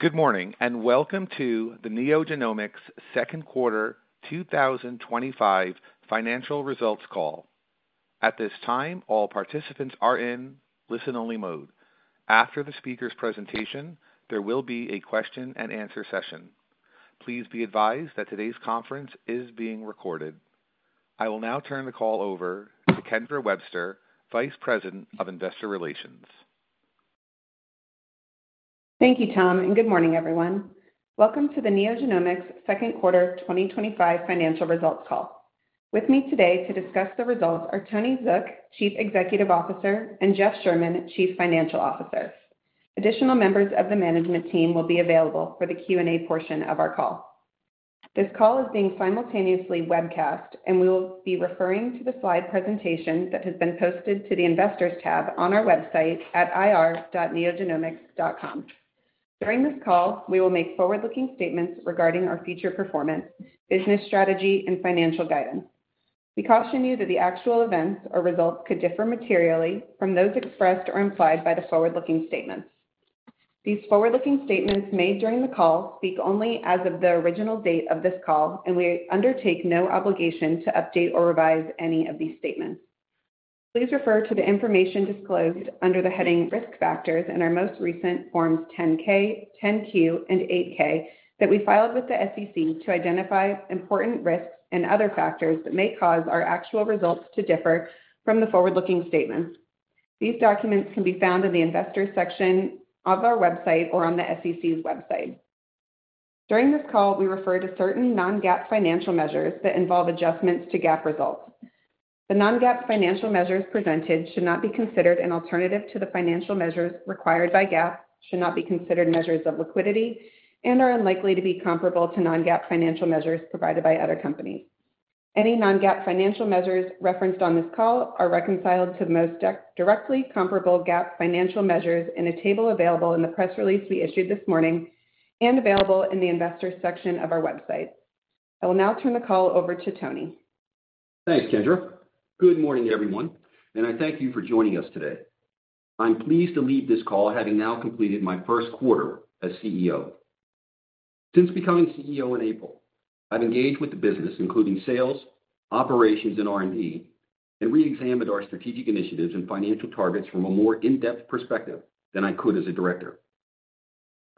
Good morning and Wecome to the NeoGenomics second quarter 2025 financial results call. At this time, all participants are in listen-only mode. After the speaker's presentation, there will be a question and answer session. Please be advised that today's conference is being recorded. I will now turn the call over to Kendra Webster, Vice President of Investor Relations. Thank you, Tom, and good morning, everyone. Welcome to the NeoGenomics second quarter 2025 financial results call. With me today to discuss the results are Tony Zook, Chief Executive Officer, and Jeff Sherman, Chief Financial Officer. Additional members of the management team will be available for the Q&A portion of our call. This call is being simultaneously webcast, and we will be referring to the slide presentation that has been posted to the Investors tab on our website at ir.neogenomics.com. During this call, we will make forward-looking statements regarding our future performance, business strategy, and financial guidance. We caution you that the actual events or results could differ materially from those expressed or implied by the forward-looking statements. These forward-looking statements made during the call speak only as of the original date of this call, and we undertake no obligation to update or revise any of these statements. Please refer to the information disclosed under the heading risk factors in our most recent forms 10-K, 10-Q, and 8-K that we filed with the SEC to identify important risks and other factors that may cause our actual results to differ from the forward-looking statements. These documents can be found in the Investors section of our website or on the SEC's website. During this call, we refer to certain non-GAAP financial measures that involve adjustments to GAAP results. The non-GAAP financial measures presented should not be considered an alternative to the financial measures required by GAAP, should not be considered measures of liquidity, and are unlikely to be comparable to non-GAAP financial measures provided by other companies. Any non-GAAP financial measures referenced on this call are reconciled to the most directly comparable GAAP financial measures in a table available in the press release we issued this morning and available in the Investors section of our website. I will now turn the call over to Tony. Thanks, Kendra. Good morning, everyone, and I thank you for joining us today. I'm pleased to lead this call, having now completed my first quarter as CEO. Since becoming CEO in April, I've engaged with the business, including sales, operations, and R&D, and reexamined our strategic initiatives and financial targets from a more in-depth perspective than I could as a director.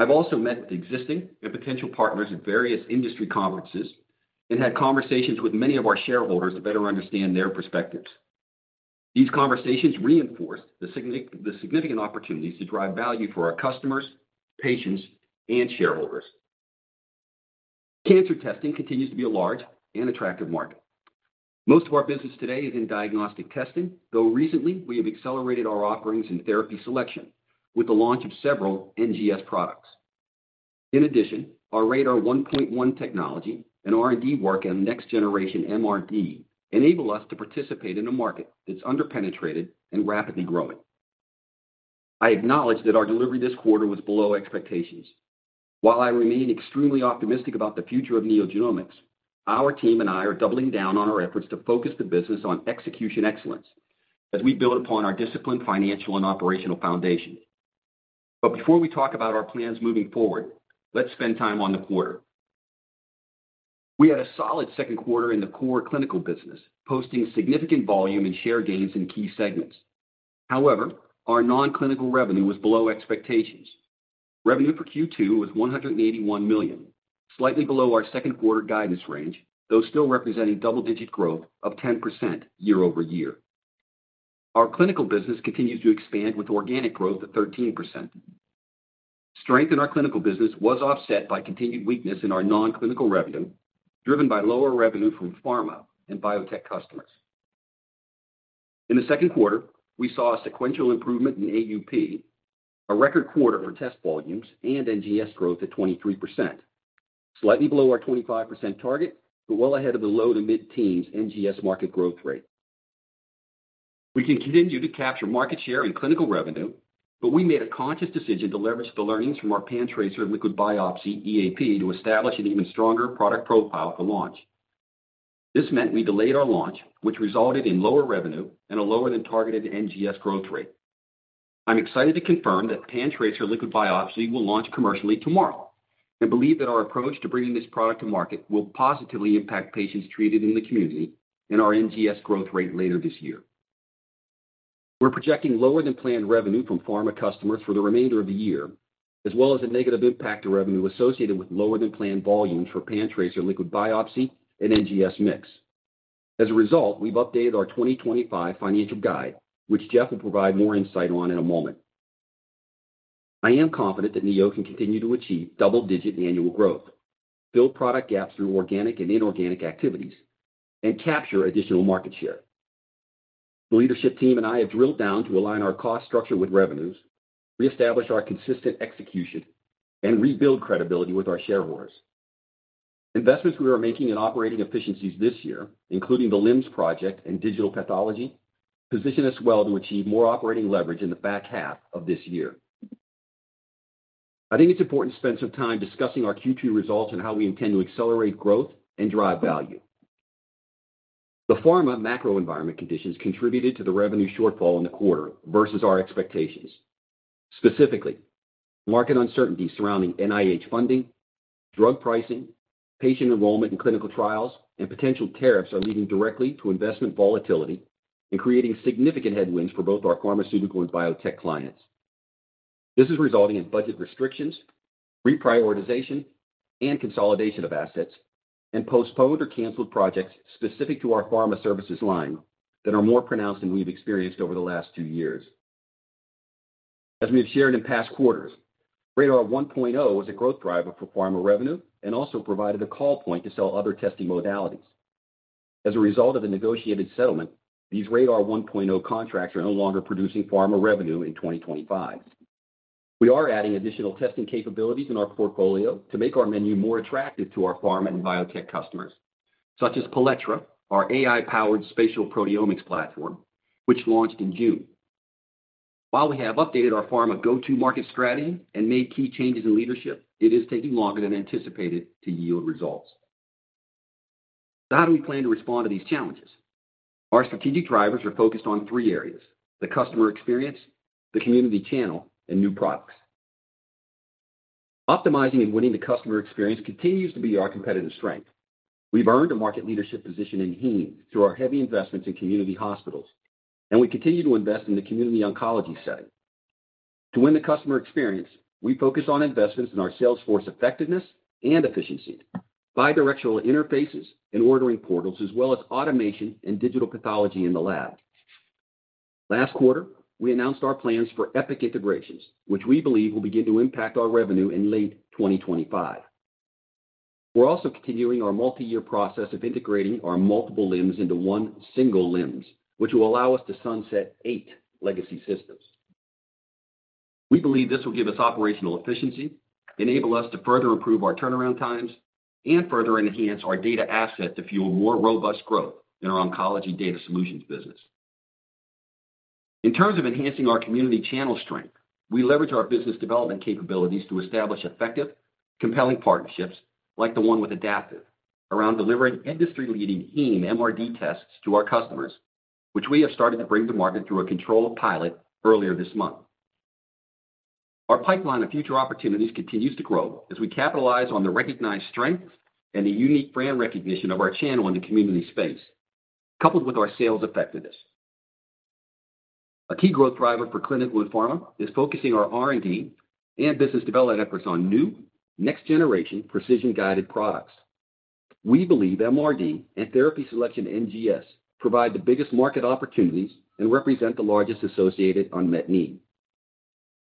I've also met with existing and potential partners at various industry conferences and had conversations with many of our shareholders to better understand their perspectives. These conversations reinforced the significant opportunities to drive value for our customers, patients, and shareholders. Cancer testing continues to be a large and attractive market. Most of our business today is in diagnostic testing, though recently we have accelerated our offerings in therapy selection with the launch of several NGS products. In addition, our RaDaR 1.1 technology and R&D work on next-generation MRD enable us to participate in a market that's underpenetrated and rapidly growing. I acknowledge that our delivery this quarter was below expectations. While I remain extremely optimistic about the future of NeoGenomics, our team and I are doubling down on our efforts to focus the business on execution excellence as we build upon our disciplined financial and operational foundation. Before we talk about our plans moving forward, let's spend time on the quarter. We had a solid second quarter in the core clinical business, posting significant volume and share gains in key segments. However, our non-clinical revenue was below expectations. Revenue for Q2 was $181 million, slightly below our second quarter guidance range, though still representing double-digit growth of 10% year-over-year. Our clinical business continues to expand with organic growth of 13%. Strength in our clinical business was offset by continued weakness in our non-clinical revenue, driven by lower revenue from pharma and biotech customers. In the second quarter, we saw a sequential improvement in AUP, a record quarter for test volumes and NGS growth at 23%, slightly below our 25% target, but well ahead of the low to mid-teens NGS market growth rate. We can continue to capture market share in clinical revenue, but we made a conscious decision to leverage the learnings fromPanTracer Liquid Biopsy EAP early access program to establish an even stronger product profile for launch. This meant we delayed our launch, which resulted in lower revenue and a lower-than-targeted NGS growth rate. I'm excited to confirm that PanTracer Liquid Biopsy will launch commercially tomorrow and believe that our approach to bringing this product to market will positively impact patients treated in the community and our NGS growth rate later this year. We're projecting lower-than-planned revenue from pharma customers for the remainder of the year, as well as a negative impact to revenue associated with lower-than-planned volumes for PanTracer Liquid Biopsy and NGS mix. As a result, we've updated our 2025 financial guide, which Jeff will provide more insight on in a moment. I am confident that Neo can continue to achieve double-digit annual growth, build product gaps through organic and inorganic activities, and capture additional market share. The leadership team and I have drilled down to align our cost structure with revenues, reestablish our consistent execution, and rebuild credibility with our shareholders. Investments we are making in operating efficiencies this year, including the LIMS project and digital pathology, position us well to achieve more operating leverage in the back half of this year. I think it's important to spend some time discussing our Q2 results and how we intend to accelerate growth and drive value. The pharma macro environment conditions contributed to the revenue shortfall in the quarter versus our expectations. Specifically, market uncertainty surrounding NIH funding, drug pricing, patient enrollment in clinical trials, and potential tariffs are leading directly to investment volatility and creating significant headwinds for both our pharmaceutical and biotech clients. This is resulting in budget restrictions, reprioritization, and consolidation of assets, and postponed or canceled projects specific to our pharma services line that are more pronounced than we've experienced over the last two years. As we have shared in past quarters, RaDaR 1.0 is a growth driver for pharma revenue and also provided a call point to sell other testing modalities. As a result of the negotiated settlement, these RaDaR 1.0 contracts are no longer producing pharma revenue in 2025. We are adding additional testing capabilities in our portfolio to make our menu more attractive to our pharma and biotech customers, such as Paletrra, our AI-powered spatial proteomics platform, which launched in June. While we have updated our pharma go-to-market strategy and made key changes in leadership, it is taking longer than anticipated to yield results. How do we plan to respond to these challenges? Our strategic drivers are focused on three areas: the customer experience, the community channel, and new products. Optimizing and winning the customer experience continues to be our competitive strength. We've earned a market leadership position in the Northeast through our heavy investments in community hospitals, and we continue to invest in the community oncology setting. To win the customer experience, we focus on investments in our salesforce effectiveness and efficiency, bidirectional interfaces and ordering portals, as well as automation and digital pathology in the lab. Last quarter, we announced our plans for epic integrations, which we believe will begin to impact our revenue in late 2025. We're also continuing our multi-year process of integrating our multiple LIMS into one single LIMS, which will allow us to sunset eight legacy systems. We believe this will give us operational efficiency, enable us to further improve our turnaround times, and further enhance our data asset to fuel more robust growth in our oncology data solutions business. In terms of enhancing our community channel strength, we leverage our business development capabilities to establish effective, compelling partnerships, like the one with Adaptive, around delivering industry-leading MRD tests to our customers, which we have started to bring to market through a controlled pilot earlier this month. Our pipeline of future opportunities continues to grow as we capitalize on the recognized strengths and the unique brand recognition of our channel in the community space, coupled with our sales effectiveness. A key growth driver for clinical and pharma is focusing our R&D and business development efforts on new, next-generation, precision-guided products. We believe MRD and therapy selection NGS provide the biggest market opportunities and represent the largest associated unmet need.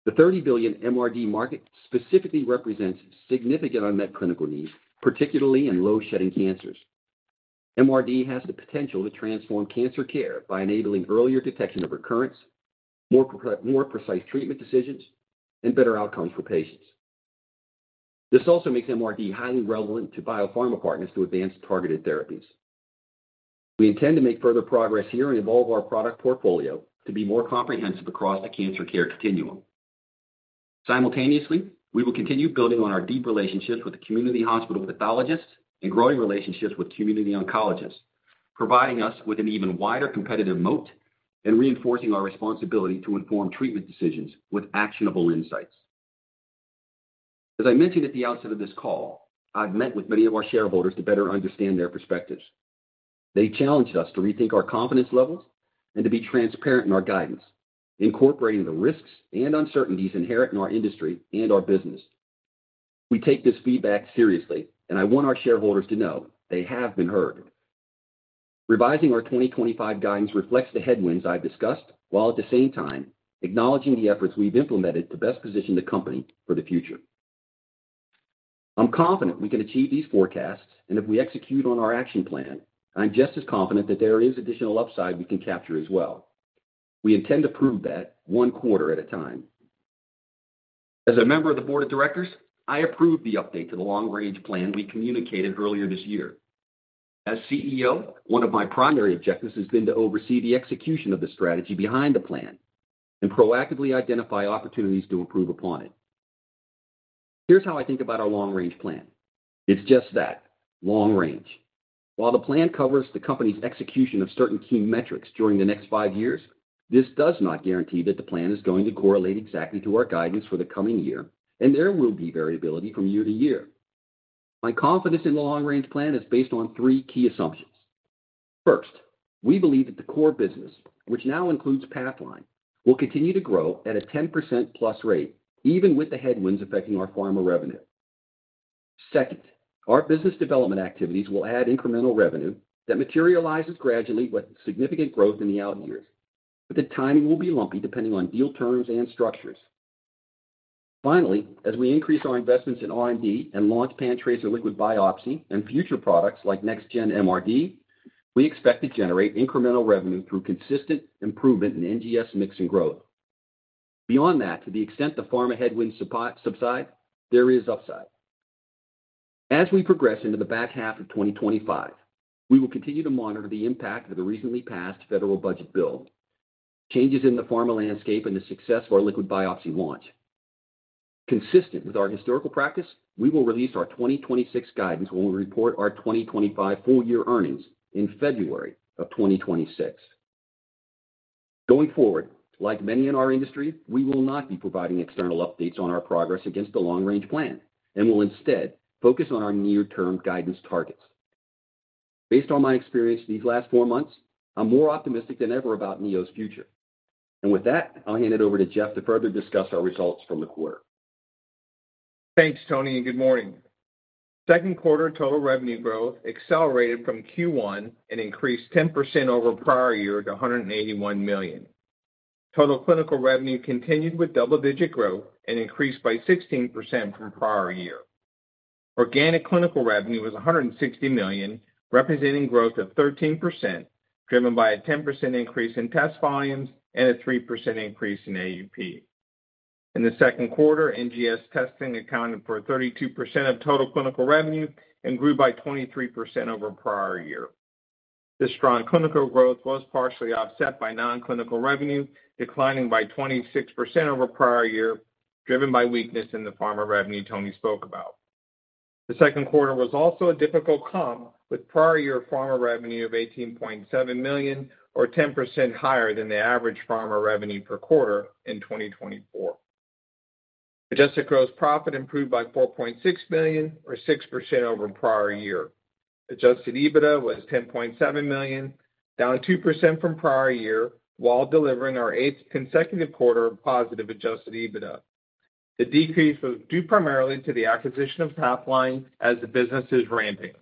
The $30 billion MRD market specifically represents significant unmet clinical needs, particularly in low-shedding cancers. MRD has the potential to transform cancer care by enabling earlier detection of recurrence, more precise treatment decisions, and better outcomes for patients. This also makes MRD highly relevant to biopharma partners to advance targeted therapies. We intend to make further progress here and evolve our product portfolio to be more comprehensive across the cancer care continuum. Simultaneously, we will continue building on our deep relationships with the community hospital pathologists and growing relationships with community oncologists, providing us with an even wider competitive moat and reinforcing our responsibility to inform treatment decisions with actionable insights. As I mentioned at the outset of this call, I've met with many of our shareholders to better understand their perspectives. They challenged us to rethink our confidence levels and to be transparent in our guidance, incorporating the risks and uncertainties inherent in our industry and our business. We take this feedback seriously, and I want our shareholders to know they have been heard. Revising our 2025 guidance reflects the headwinds I've discussed, while at the same time acknowledging the efforts we've implemented to best position the company for the future. I'm confident we can achieve these forecasts, and if we execute on our action plan, I'm just as confident that there is additional upside we can capture as well. We intend to prove that one quarter at a time. As a member of the Board of Directors, I approved the update to the long-range plan we communicated earlier this year. As CEO, one of my primary objectives has been to oversee the execution of the strategy behind the plan and proactively identify opportunities to improve upon it. Here's how I think about our long-range plan. It's just that, long range. While the plan covers the company's execution of certain key metrics during the next five years, this does not guarantee that the plan is going to correlate exactly to our guidance for the coming year, and there will be variability from year to year. My confidence in the long-range plan is based on three key assumptions. First, we believe that the core business, which now includes Pathline, will continue to grow at a 10%+ rate, even with the headwinds affecting our pharma revenue. Second, our business development activities will add incremental revenue that materializes gradually with significant growth in the out years, but the timing will be lumpy depending on deal terms and structures. Finally, as we increase our investments in R&D and launch PanTracer Liquid Biopsy and future products like Next-Gen MRD, we expect to generate incremental revenue through consistent improvement in NGS mix and growth. Beyond that, to the extent the pharma headwinds subside, there is upside. As we progress into the back half of 2025, we will continue to monitor the impact of the recently passed federal budget bill, changes in the pharma landscape, and the success of our liquid biopsy launch. Consistent with our historical practice, we will release our 2026 guidance when we report our 2025 full-year earnings in February of 2026. Going forward, like many in our industry, we will not be providing external updates on our progress against the long-range plan and will instead focus on our near-term guidance targets. Based on my experience these last four months, I'm more optimistic than ever about NeoGenomics' future. With that, I'll hand it over to Jeff to further discuss our results from the quarter. Thanks, Tony, and good morning. Second quarter total revenue growth accelerated from Q1 and increased 10% over-prior-year to $181 million. Total clinical revenue continued with double-digit growth and increased by 16% from prior year. Organic clinical revenue was $160 million, representing growth of 13%, driven by a 10% increase in test volumes and a 3% increase in AUP. In the second quarter, NGS testing accounted for 32% of total clinical revenue and grew by 23% over-prior-year. This strong clinical growth was partially offset by non-clinical revenue declining by 26% over-prior-year, driven by weakness in the pharma revenue Tony spoke about. The second quarter was also a difficult comp, with prior year pharma revenue of $18.7 million, or 10% higher than the average pharma revenue per quarter in 2024. Adjusted gross profit improved by $4.6 million, or 6% over-prior-year. Adjusted EBITDA was $10.7 million, down 2% from prior year, while delivering our eighth consecutive quarter of positive adjusted EBITDA. The decrease was due primarily to the acquisition of Pathline as the business is ramping.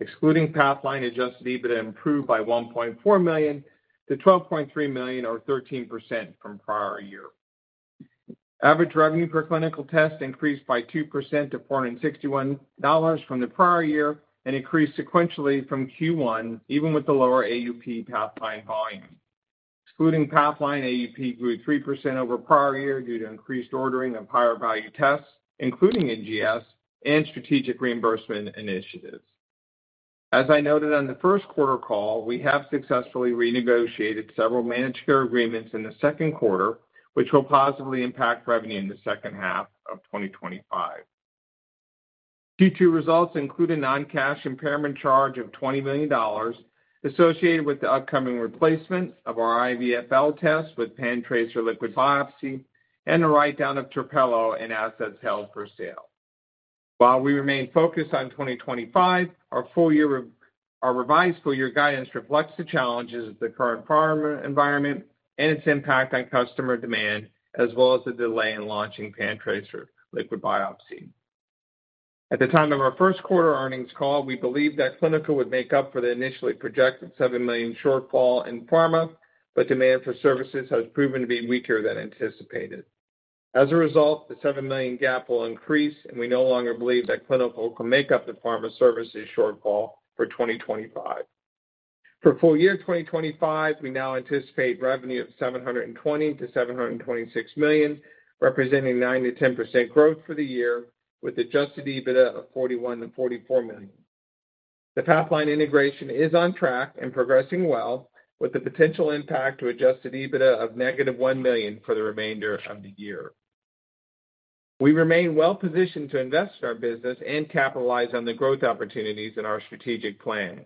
Excluding Pathline, adjusted EBITDA improved by $1.4 million to $12.3 million, or 13% from prior year. Average revenue per clinical test increased by 2% to $461 from the prior year and increased sequentially from Q1, even with the lower AUP Pathline volume. Excluding Pathline, AUP grew 3% over-prior-year due to increased ordering of higher-value tests, including NGS and strategic reimbursement initiatives. As I noted on the first quarter call, we have successfully renegotiated several managed care agreements in the second quarter, which will positively impact revenue in the second half of 2025. Q2 results include a non-cash impairment charge of $20 million associated with the upcoming replacement of our IVFL test with PanTracer Liquid Biopsy and a write-down of Trapelo and assets held for sale. While we remain focused on 2025, our revised full-year guidance reflects the challenges of the current pharma environment and its impact on customer demand, as well as the delay in launching PanTracer Liquid Biopsy. At the time of our first quarter earnings call, we believed that clinical would make up for the initially projected $7 million shortfall in pharma, but demand for services has proven to be weaker than anticipated. As a result, the $7 million gap will increase, and we no longer believe that clinical can make up the pharma services shortfall for 2025. For full-year 2025, we now anticipate revenue of $720million-$726 million, representing 9%-10% growth for the year, with adjusted EBITDA of $41 million-$44 million. The Pathline integration is on track and progressing well, with the potential impact to adjusted EBITDA of -$1 million for the remainder of the year. We remain well-positioned to invest in our business and capitalize on the growth opportunities in our strategic plan.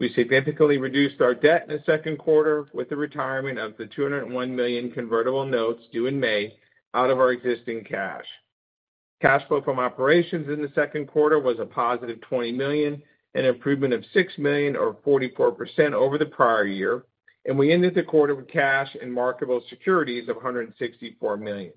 We significantly reduced our debt in the second quarter with the retirement of the $201 million convertible notes due in May out of our existing cash. Cash flow from operations in the second quarter was a positive $20 million, an improvement of $6 million, or 44% over the prior year, and we ended the quarter with cash and marketable securities of $164 million.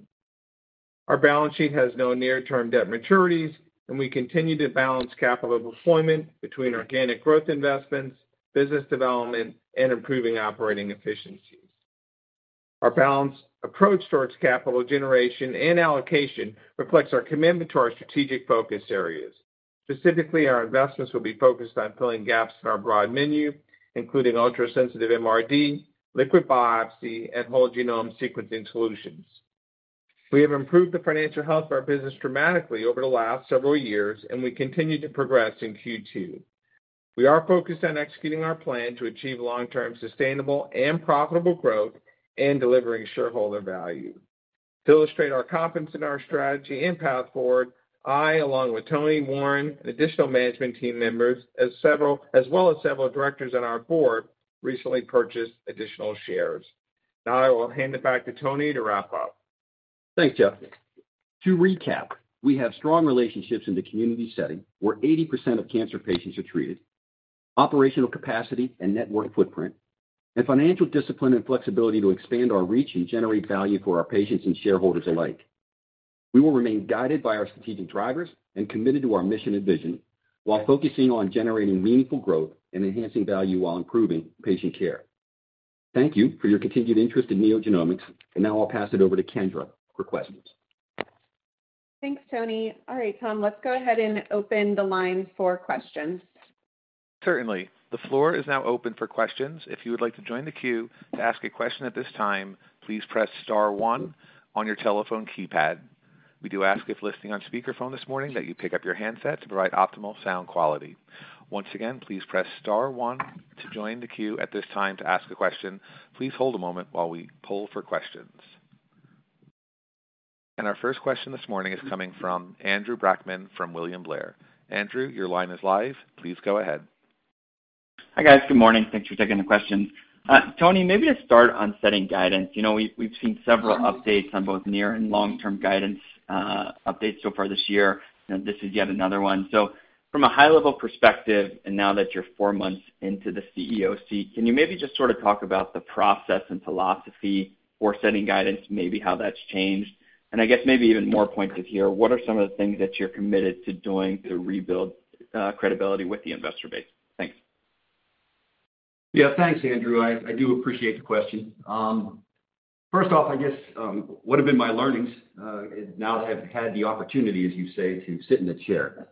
Our balance sheet has no near-term debt maturities, and we continue to balance capital deployment between organic growth investments, business development, and improving operating efficiencies. Our balanced approach towards capital generation and allocation reflects our commitment to our strategic focus areas. Specifically, our investments will be focused on filling gaps in our broad menu, including ultra-sensitive MRD, liquid biopsy, and whole genome sequencing solutions. We have improved the financial health of our business dramatically over the last several years, and we continue to progress in Q2. We are focused on executing our plan to achieve long-term sustainable and profitable growth and delivering shareholder value. To illustrate our confidence in our strategy and path forward, I, along with Tony, Warren, and additional management team members, as well as several directors on our board, recently purchased additional shares. Now I will hand it back to Tony to wrap up. Thanks, Jeff. To recap, we have strong relationships in the community setting where 80% of cancer patients are treated, operational capacity and network footprint, and financial discipline and flexibility to expand our reach and generate value for our patients and shareholders alike. We will remain guided by our strategic drivers and committed to our mission and vision, while focusing on generating meaningful growth and enhancing value while improving patient care. Thank you for your continued interest in NeoGenomics, and now I'll pass it over to Kendra for questions. Thanks, Tony. All right, Tom, let's go ahead and open the line for questions. Certainly. The floor is now open for questions. If you would like to join the queue to ask a question at this time, please press star one on your telephone keypad. We do ask if listening on speakerphone this morning that you pick up your handset to provide optimal sound quality. Once again, please press star one to join the queue at this time to ask a question. Please hold a moment while we poll for questions. Our first question this morning is coming from Andrew Brackman from William Blair. Andrew, your line is live. Please go ahead. Hi guys, good morning. Thanks for taking the question. Tony, maybe to start on setting guidance, you know we've seen several updates on both near and long-term guidance updates so far this year, and this is yet another one. From a high-level perspective, and now that you're four months into the CEO seat, can you maybe just sort of talk about the process and philosophy for setting guidance, maybe how that's changed? I guess maybe even more pointed here, what are some of the things that you're committed to doing to rebuild credibility with the investor base? Thanks. Yeah, thanks, Andrew. I do appreciate the question. First off, I guess what have been my learnings now that I've had the opportunity, as you say, to sit in the chair?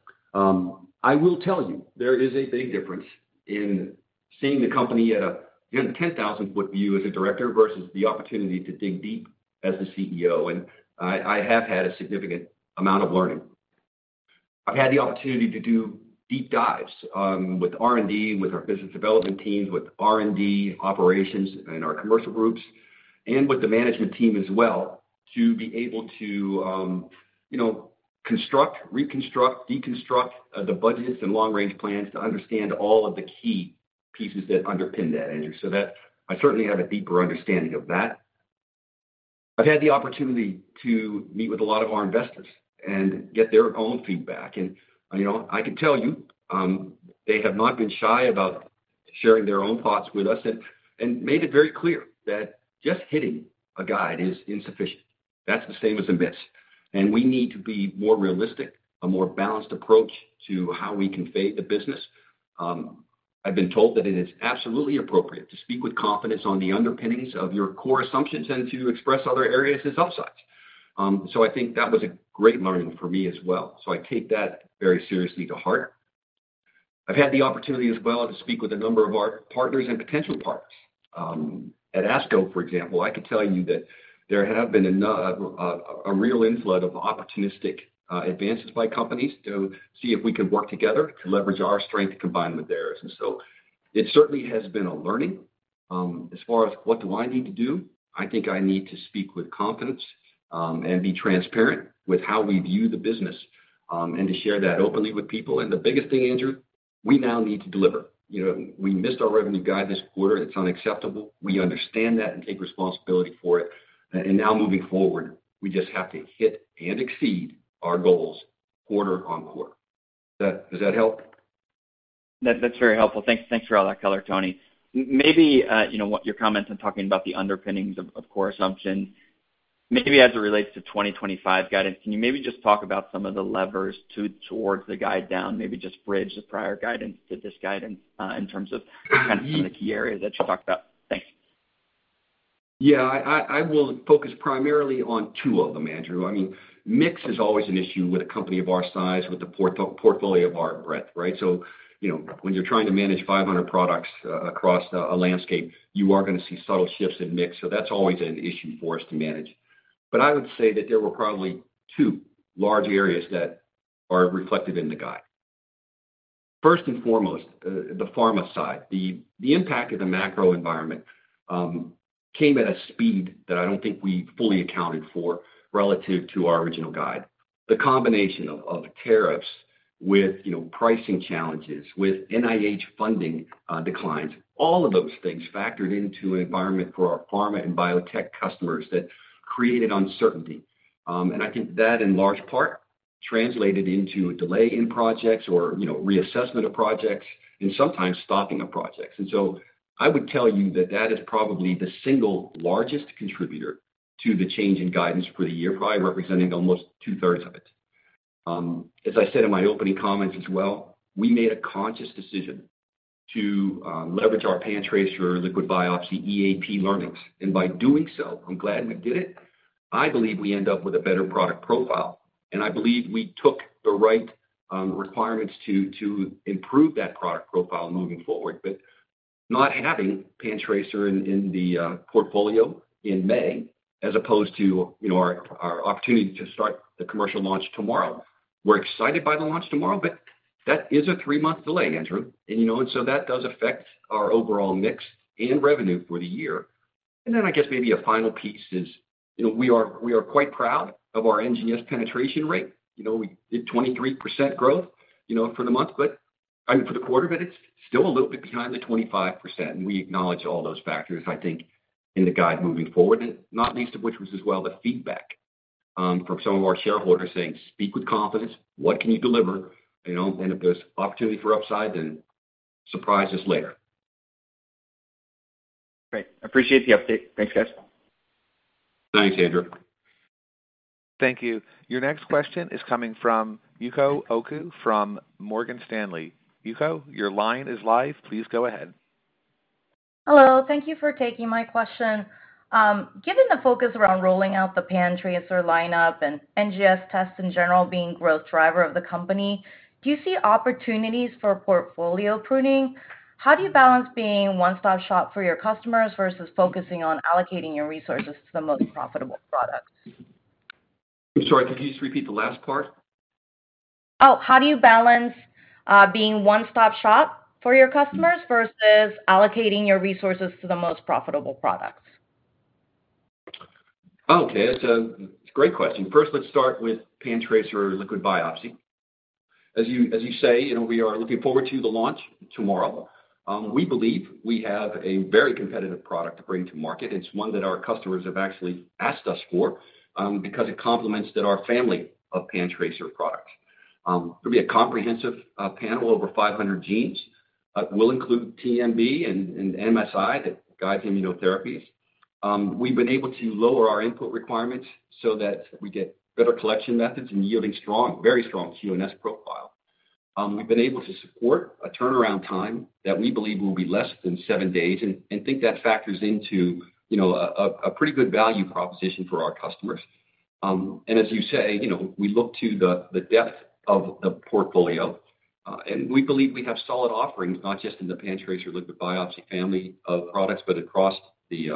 I will tell you, there is a big difference in seeing the company at a 10,000-foot view as a director versus the opportunity to dig deep as the CEO, and I have had a significant amount of learning. I've had the opportunity to do deep dives with R&D, with our business development teams, with R&D operations and our commercial groups, and with the management team as well, to be able to construct, reconstruct, deconstruct the budgets and long-range plans to understand all of the key pieces that underpin that, Andrew. I certainly have a deeper understanding of that. I've had the opportunity to meet with a lot of our investors and get their own feedback, and I could tell you, they have not been shy about sharing their own thoughts with us and made it very clear that just hitting a guide is insufficient. That's the same as a miss, and we need to be more realistic, a more balanced approach to how we convey the business. I've been told that it is absolutely appropriate to speak with confidence on the underpinnings of your core assumptions and to express other areas as upsides. I think that was a great learning for me as well. I take that very seriously to heart. I've had the opportunity as well to speak with a number of our partners and potential partners. At ASCO, for example, I could tell you that there have been a real inflow of opportunistic advances by companies to see if we can work together to leverage our strength to combine with theirs. It certainly has been a learning. As far as what do I need to do, I think I need to speak with confidence, be transparent with how we view the business, and to share that openly with people. The biggest thing, Andrew, we now need to deliver. We missed our revenue guide this quarter. It's unacceptable. We understand that and take responsibility for it. Now moving forward, we just have to hit and exceed our goals quarter on quarter. Does that help? That's very helpful. Thanks for all that color, Tony. Maybe your comments on talking about the underpinnings of core assumption, maybe as it relates to 2025 guidance, can you maybe just talk about some of the levers towards the guide down, maybe just bridge the prior guidance to this guidance in terms of the key areas that you talked about? Thanks. Yeah, I will focus primarily on two of them, Andrew. Mix is always an issue with a company of our size, with the portfolio of our breadth, right? When you're trying to manage 500 products across a landscape, you are going to see subtle shifts in mix. That's always an issue for us to manage. I would say that there were probably two large areas that are reflected in the guide. First and foremost, the pharma side, the impact of the macro environment came at a speed that I don't think we fully accounted for relative to our original guide. The combination of tariffs with pricing challenges, with NIH funding declines, all of those things factored into an environment for our pharma and biotech customers that created uncertainty. I think that in large part translated into delay in projects or reassessment of projects and sometimes stopping of projects. I would tell you that that is probably the single largest contributor to the change in guidance for the year, probably representing almost two-thirds of it. As I said in my opening comments as well, we made a conscious decision to leverage our PanTracer Liquid Biopsy EAP learnings. By doing so, I'm glad we did it. I believe we end up with a better product profile. I believe we took the right requirements to improve that product profile moving forward. Not having PanTracer in the portfolio in May, as opposed to our opportunity to start the commercial launch tomorrow, we're excited by the launch tomorrow, but that is a three-month delay, Andrew. That does affect our overall mix and revenue for the year. I guess maybe a final piece is, we are quite proud of our NGS penetration rate. We did 23% growth for the month, I mean, for the quarter, but it's still a little bit behind the 25%. We acknowledge all those factors, I think, in the guide moving forward, not least of which was as well the feedback from some of our shareholders saying, speak with confidence, what can you deliver? If there's opportunity for upside, then surprise us later. Great. I appreciate the update. Thanks, guys. Thanks, Andrew. Thank you. Your next question is coming from Yuko Oku from Morgan Stanley. Yuko, your line is live. Please go ahead. Hello. Thank you for taking my question. Given the focus around rolling out the PanTracer lineup and NGS tests in general being a growth driver of the company, do you see opportunities for portfolio pruning? How do you balance being a one-stop shop for your customers versus focusing on allocating your resources to the most profitable products? I'm sorry, could you just repeat the last part? How do you balance being a one-stop shop for your customers versus allocating your resources to the most profitable products? Okay, that's a great question. First, let's start with PanTracer Liquid Biopsy. As you say, you know, we are looking forward to the launch tomorrow. We believe we have a very competitive product to bring to market. It's one that our customers have actually asked us for, because it complements our family of PanTracer products. It'll be a comprehensive panel, over 500 genes. We'll include TMB and MSI to guide immunotherapies. We've been able to lower our input requirements so that we get better collection methods and yield a very strong QNS profile. We've been able to support a turnaround time that we believe will be less than seven days and think that factors into, you know, a pretty good value proposition for our customers. You know, we look to the depth of the portfolio, and we believe we have solid offerings, not just in the PanTracer Liquid Biopsy family of products, but across the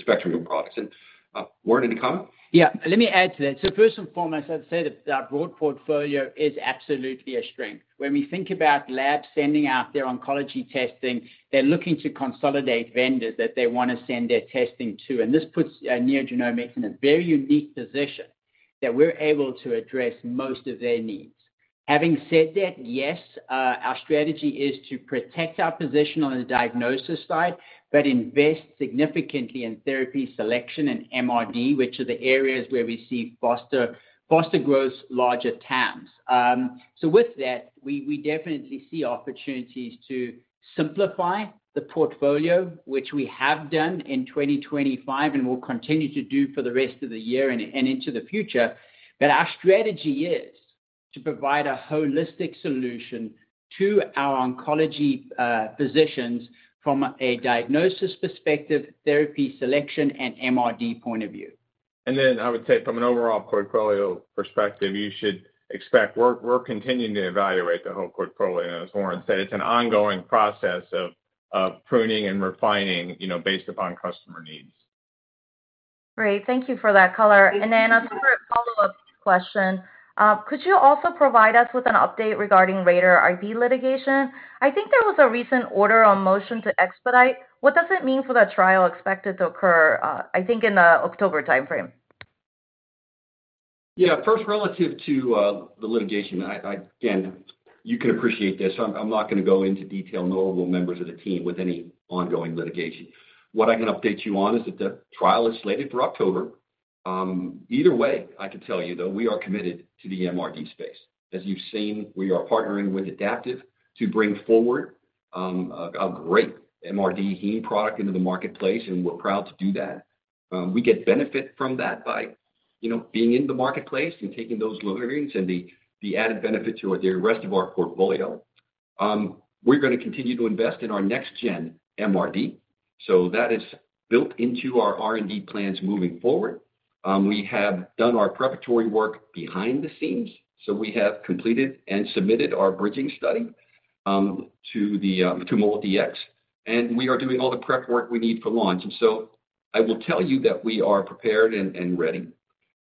spectrum of products. Warren, any comment? Yeah, let me add to that. First and foremost, I'd say that our broad portfolio is absolutely a strength. When we think about labs sending out their oncology testing, they're looking to consolidate vendors that they want to send their testing to. This puts NeoGenomics in a very unique position that we're able to address most of their needs. Having said that, yes, our strategy is to protect our position on the diagnosis side, but invest significantly in therapy selection and MRD, which are the areas where we see faster growth and larger TAMs. We definitely see opportunities to simplify the portfolio, which we have done in 2025 and will continue to do for the rest of the year and into the future. Our strategy is to provide a holistic solution to our oncology positions from a diagnosis perspective, therapy selection, and MRD point of view. From an overall portfolio perspective, you should expect we're continuing to evaluate the whole portfolio, as Warren said. It's an ongoing process of pruning and refining, based upon customer needs. Great. Thank you for that color. As for a follow-up question, could you also provide us with an update regarding RaDaR litigation? I think there was a recent order on motion to expedite. What does it mean for the trial expected to occur, I think, in the October timeframe? Yeah, first, relative to the litigation, again, you can appreciate this. I'm not going to go into detail. None of the members of the team with any ongoing litigation. What I can update you on is that the trial is slated for October. Either way, I could tell you that we are committed to the MRD space. As you've seen, we are partnering with Adaptive to bring forward a great MRD PanTracer product into the marketplace, and we're proud to do that. We get benefit from that by, you know, being in the marketplace and taking those learnings and the added benefit to the rest of our portfolio. We're going to continue to invest in our Next-Gen MRD. That is built into our R&D plans moving forward. We have done our preparatory work behind the scenes. We have completed and submitted our bridging study to MolDX. We are doing all the prep work we need for launch. I will tell you that we are prepared and ready.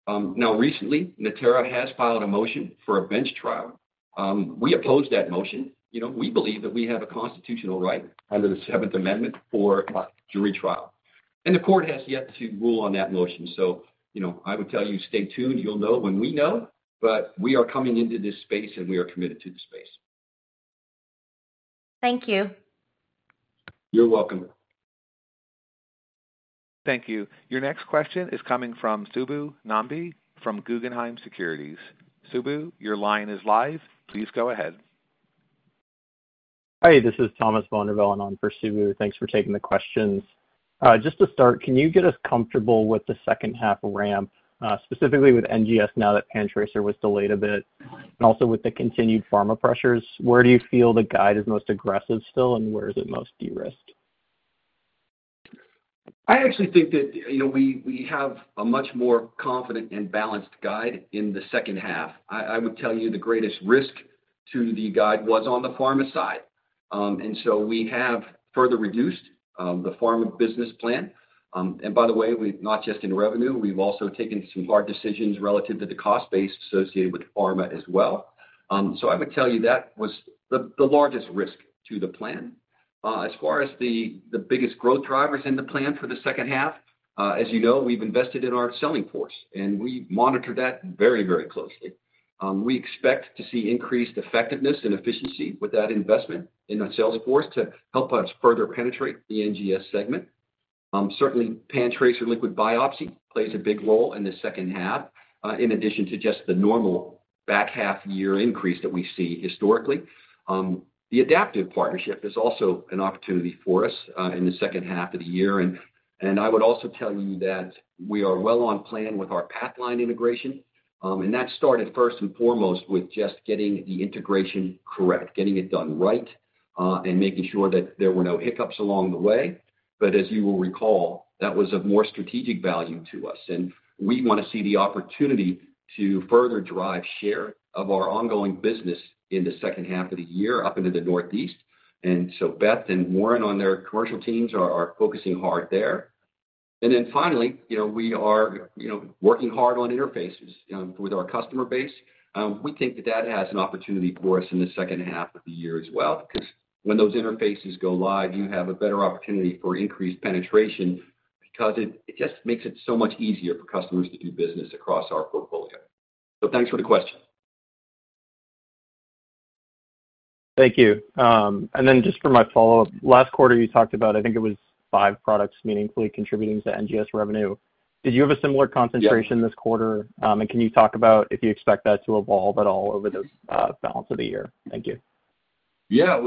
Now, recently, Natera has filed a motion for a bench trial. We oppose that motion. You know, we believe that we have a constitutional right under the Seventh Amendment for jury trial. The court has yet to rule on that motion. I would tell you, stay tuned. You'll know when we know. We are coming into this space, and we are committed to the space. Thank you. You're welcome. Thank you. Your next question is coming from Subbu Nambi from Guggenheim Securities. Subbu, your line is live. Please go ahead. Hi, this is Thomas VonDerVellen on for Subbu. Thanks for taking the questions. Just to start, can you get us comfortable with the second half of RAM, specifically with NGS now that PanTracer was delayed a bit? Also, with the continued pharma pressures, where do you feel the guide is most aggressive still, and where is it most de-risked? I actually think that, you know, we have a much more confident and balanced guide in the second half. I would tell you the greatest risk to the guide was on the pharma side, and so we have further reduced the pharma business plan. By the way, we've not just in revenue, we've also taken some hard decisions relative to the cost base associated with pharma as well. I would tell you that was the largest risk to the plan. As far as the biggest growth drivers in the plan for the second half, as you know, we've invested in our selling force, and we monitor that very, very closely. We expect to see increased effectiveness and efficiency with that investment in our selling force to help us further penetrate the NGS segment. Certainly, PanTracer Liquid Biopsy plays a big role in the second half, in addition to just the normal back half year increase that we see historically. The Adaptive partnership is also an opportunity for us in the second half of the year. I would also tell you that we are well on plan with our Pathline integration, and that started first and foremost with just getting the integration correct, getting it done right, and making sure that there were no hiccups along the way. As you will recall, that was of more strategic value to us. We want to see the opportunity to further drive share of our ongoing business in the second half of the year up into the Northeast. Beth and Warren on their commercial teams are focusing hard there. Finally, you know, we are, you know, working hard on interfaces with our customer base. We think that that has an opportunity for us in the second half of the year as well, because when those interfaces go live, you have a better opportunity for increased penetration because it just makes it so much easier for customers to do business across our portfolio. Thanks for the question. Thank you. Just for my follow-up, last quarter you talked about, I think it was five products meaningfully contributing to NGS revenue. Did you have a similar concentration this quarter? Can you talk about if you expect that to evolve at all over this balance of the year? Thank you. Yeah,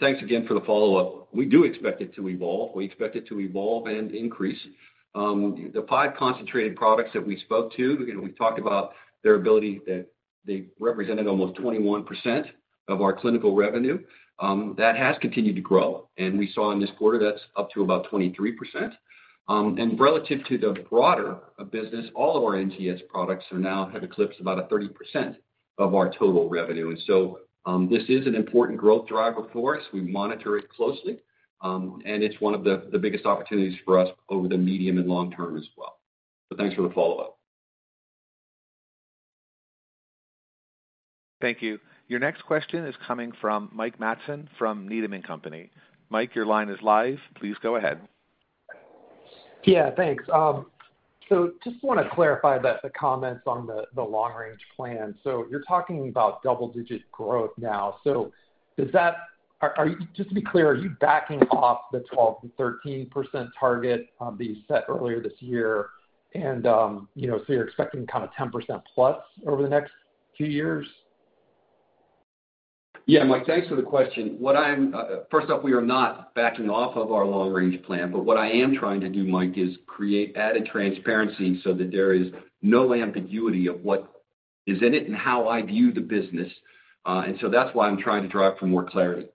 thanks again for the follow-up. We do expect it to evolve. We expect it to evolve and increase. The five concentrated products that we spoke to, you know, we talked about their ability that they represented almost 21% of our clinical revenue. That has continued to grow, and we saw in this quarter that's up to about 23%. Relative to the broader business, all of our NGS products have now eclipsed about 30% of our total revenue. This is an important growth driver for us. We monitor it closely, and it's one of the biggest opportunities for us over the medium and long term as well. Thanks for the follow-up. Thank you. Your next question is coming from Mike Matson from Needham & Company. Mike, your line is live. Please go ahead. Yeah, thanks. I just want to clarify the comments on the long-range plan. You're talking about double-digit growth now. Does that, are you, just to be clear, are you backing off the 12%-13% target that you set earlier this year? You're expecting kind of 10%+ over the next few years? Yeah, Mike, thanks for the question. First off, we are not backing off of our long-range plan, but what I am trying to do, Mike, is create added transparency so that there is no ambiguity of what is in it and how I view the business. That's why I'm trying to drive for more clarity.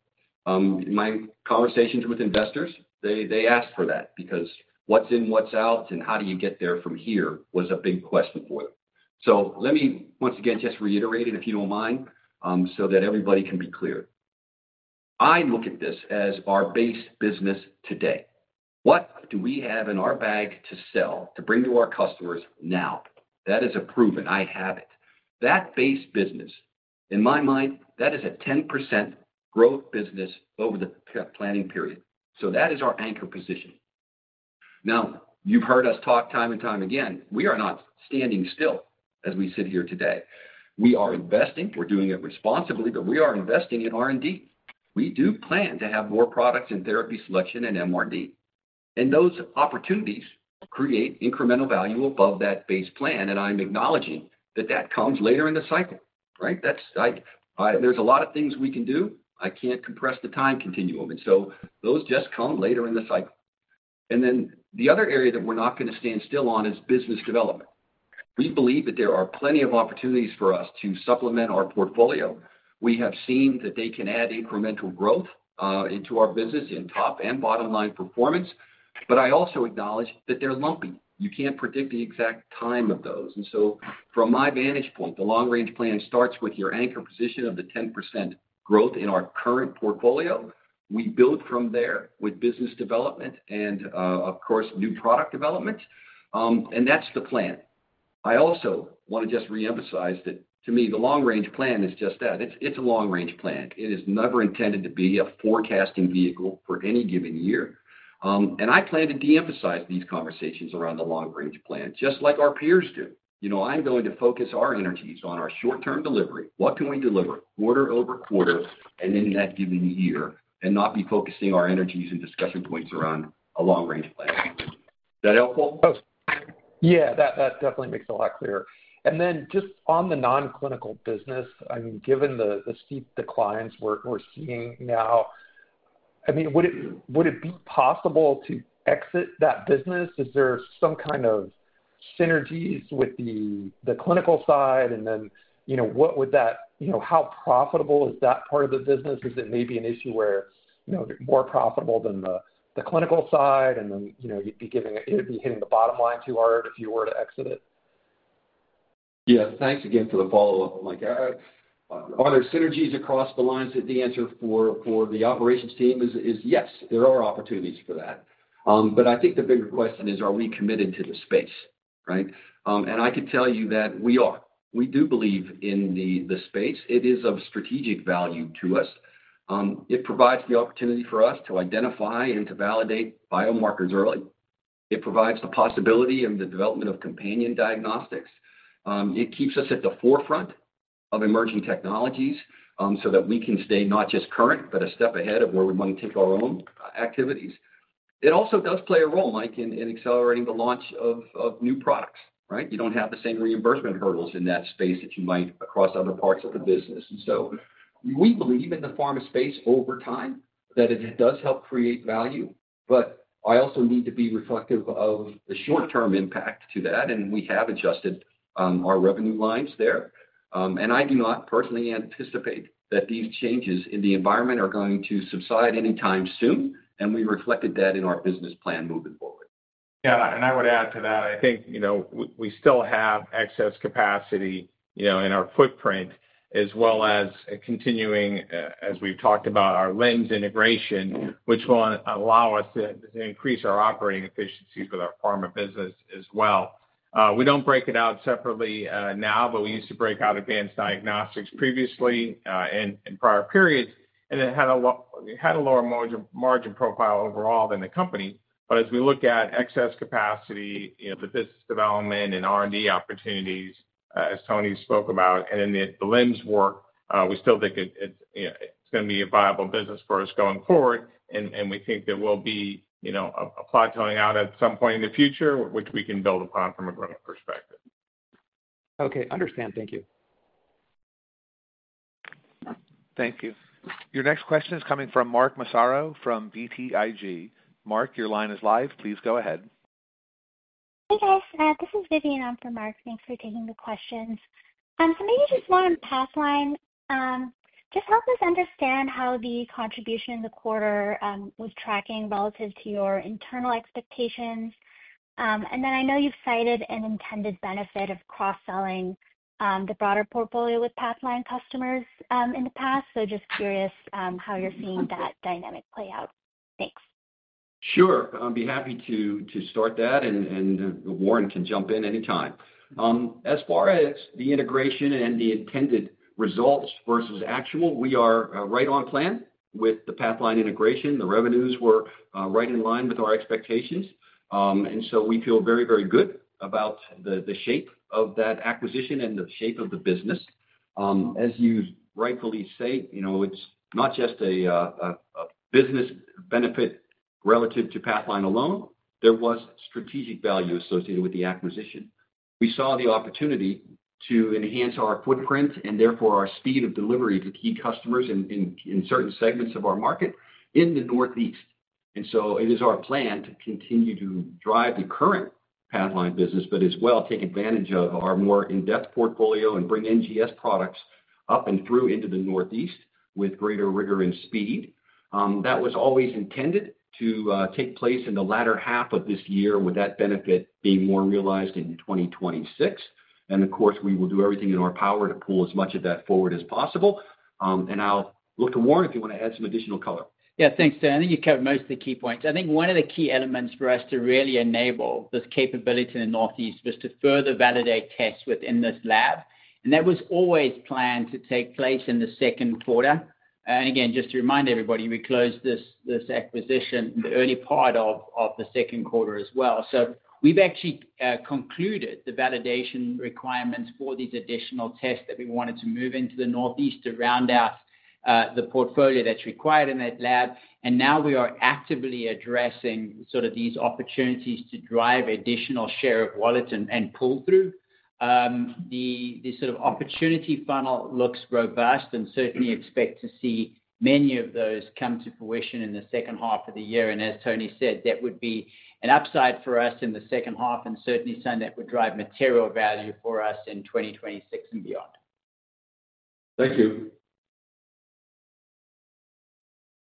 My conversations with investors, they ask for that because what's in, what's out, and how do you get there from here was a big question for them. Let me, once again, just reiterate it if you don't mind, so that everybody can be clear. I look at this as our base business today. What do we have in our bag to sell, to bring to our customers now? That is a proven, I have it. That base business, in my mind, that is a 10% growth business over the planning period. That is our anchor position. You've heard us talk time and time again. We are not standing still as we sit here today. We are investing. We're doing it responsibly, but we are investing in R&D. We do plan to have more products in therapy selection and MRD. Those opportunities create incremental value above that base plan. I'm acknowledging that that comes later in the cycle, right? There are a lot of things we can do. I can't compress the time continuum. Those just come later in the cycle. The other area that we're not going to stand still on is business development. We believe that there are plenty of opportunities for us to supplement our portfolio. We have seen that they can add incremental growth into our business in top and bottom line performance. I also acknowledge that they're lumpy. You can't predict the exact time of those. From my vantage point, the long-range plan starts with your anchor position of the 10% growth in our current portfolio. We build from there with business development and, of course, new product development, and that's the plan. I also want to just reemphasize that to me, the long-range plan is just that. It's a long-range plan. It is never intended to be a forecasting vehicle for any given year. I plan to deemphasize these conversations around the long-range plan, just like our peers do. I'm going to focus our energies on our short-term delivery. What can we deliver quarter over quarter and in that given year and not be focusing our energies and discussion points around a long-range plan? Is that helpful? Yeah, that definitely makes it a lot clearer. Just on the non-clinical business, given the steep declines we're seeing now, would it be possible to exit that business? Is there some kind of synergies with the clinical side? What would that, how profitable is that part of the business? Is it maybe an issue where it's more profitable than the clinical side, and you'd be hitting the bottom line too hard if you were to exit it? Yeah, thanks again for the follow-up, Mike. Are there synergies across the lines? The answer for the operations team is yes, there are opportunities for that. I think the bigger question is, are we committed to the space, right? I could tell you that we are. We do believe in the space. It is of strategic value to us. It provides the opportunity for us to identify and to validate biomarkers early. It provides the possibility and the development of companion diagnostics. It keeps us at the forefront of emerging technologies so that we can stay not just current, but a step ahead of where we want to take our own activities. It also does play a role, Mike, in accelerating the launch of new products, right? You don't have the same reimbursement hurdles in that space that you might across other parts of the business. We believe in the pharma space over time that it does help create value, but I also need to be reflective of the short-term impact to that. We have adjusted our revenue lines there. I do not personally anticipate that these changes in the environment are going to subside anytime soon. We reflected that in our business plan moving forward. Yeah, I would add to that. I think we still have excess capacity in our footprint, as well as continuing, as we've talked about, our LIMS integration, which will allow us to increase our operating efficiencies with our pharma business as well. We don't break it out separately now, but we used to break out advanced diagnostics previously and in prior periods. It had a lower margin profile overall than the company. As we look at excess capacity, the business development and R&D opportunities, as Tony spoke about, and in the LIMS work, we still think it's going to be a viable business for us going forward. We think there will be a plateauing out at some point in the future, which we can build upon from a growth perspective. Okay, understand. Thank you. Thank you. Your next question is coming from Mark Massaro from BTIG. Mark, your line is live. Please go ahead. Hey guys, this is Vivian from Mark. Thanks for taking the questions. Maybe just one on Pathline. Just help us understand how the contribution in the quarter was tracking relative to your internal expectations. I know you've cited an intended benefit of cross-selling the broader portfolio with Pathline customers in the past. Just curious how you're seeing that dynamic play out. Thanks. Sure. I'll be happy to start that and Warren can jump in anytime. As far as the integration and the intended results versus actual, we are right on plan with the Pathline integration. The revenues were right in line with our expectations, and we feel very, very good about the shape of that acquisition and the shape of the business. As you rightfully say, you know, it's not just a business benefit relative to Pathline alone. There was strategic value associated with the acquisition. We saw the opportunity to enhance our footprint and therefore our speed of delivery to key customers in certain segments of our market in the Northeast. It is our plan to continue to drive the current Pathline business, but as well take advantage of our more in-depth portfolio and bring NGS products up and through into the Northeast with greater rigor and speed. That was always intended to take place in the latter half of this year, with that benefit being more realized in 2026. Of course, we will do everything in our power to pull as much of that forward as possible. I'll look to Warren if you want to add some additional color. Yeah, thanks, Tony. You covered most of the key points. I think one of the key elements for us to really enable this capability in the Northeast was to further validate tests within this lab. That was always planned to take place in the second quarter. Just to remind everybody, we closed this acquisition in the early part of the second quarter as well. We have actually concluded the validation requirements for these additional tests that we wanted to move into the Northeast to round out the portfolio that's required in that lab. Now we are actively addressing these opportunities to drive additional share of wallet and pull through. The opportunity funnel looks robust and certainly expect to see many of those come to fruition in the second half of the year. As Tony said, that would be an upside for us in the second half and certainly something that would drive material value for us in 2026 and beyond. Thank you.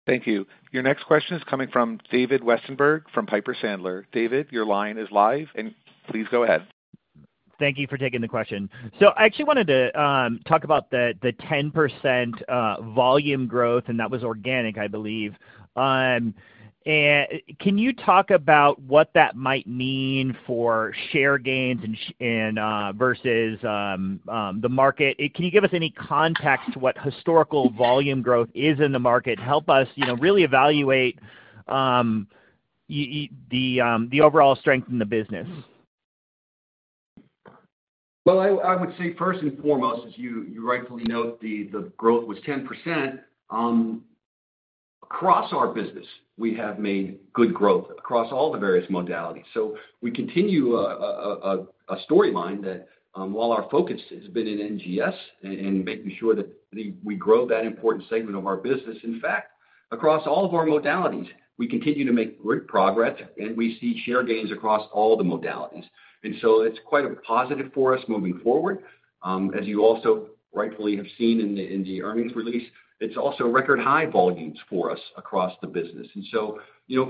Thank you. Your next question is coming from David Westenberg from Piper Sandler. David, your line is live and please go ahead. Thank you for taking the question. I actually wanted to talk about the 10% volume growth and that was organic, I believe. Can you talk about what that might mean for share gains versus the market? Can you give us any context to what historical volume growth is in the market? Help us, you know, really evaluate the overall strength in the business. First and foremost, as you rightfully note, the growth was 10%. Across our business, we have made good growth across all the various modalities. We continue a storyline that while our focus has been in NGS and making sure that we grow that important segment of our business, in fact, across all of our modalities, we continue to make great progress and we see share gains across all the modalities. It's quite a positive for us moving forward. As you also rightfully have seen in the earnings release, it's also record high volumes for us across the business.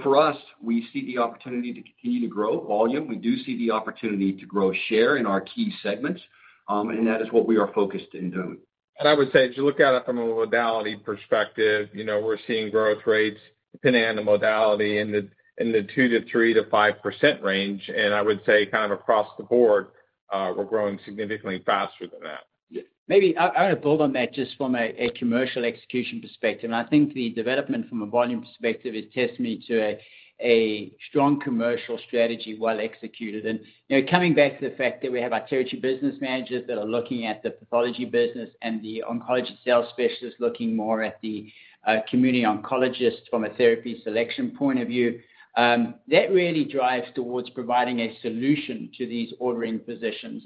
For us, we see the opportunity to continue to grow volume. We do see the opportunity to grow share in our key segments. That is what we are focused in doing. I would say, as you look at it from a modality perspective, we're seeing growth rates depending on the modality in the 2%-3%-5% range. I would say kind of across the board, we're growing significantly faster than that. Maybe I'll build on that just from a commercial execution perspective. I think the development from a volume perspective is testament to a strong commercial strategy well executed. You know, coming back to the fact that we have our Territory Business Managers that are looking at the pathology business and the Oncology Sales Specialists looking more at the community oncologists from a therapy selection point of view, that really drives towards providing a solution to these ordering physicians.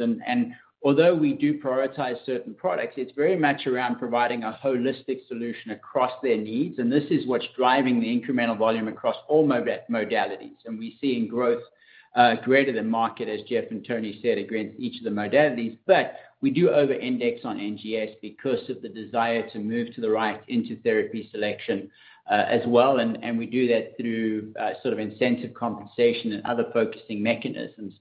Although we do prioritize certain products, it's very much around providing a holistic solution across their needs. This is what's driving the incremental volume across all modalities. We see growth greater than market, as Jeff and Tony said, against each of the modalities. We do over-index on NGS because of the desire to move to the right into therapy selection, as well. We do that through incentive compensation and other focusing mechanisms.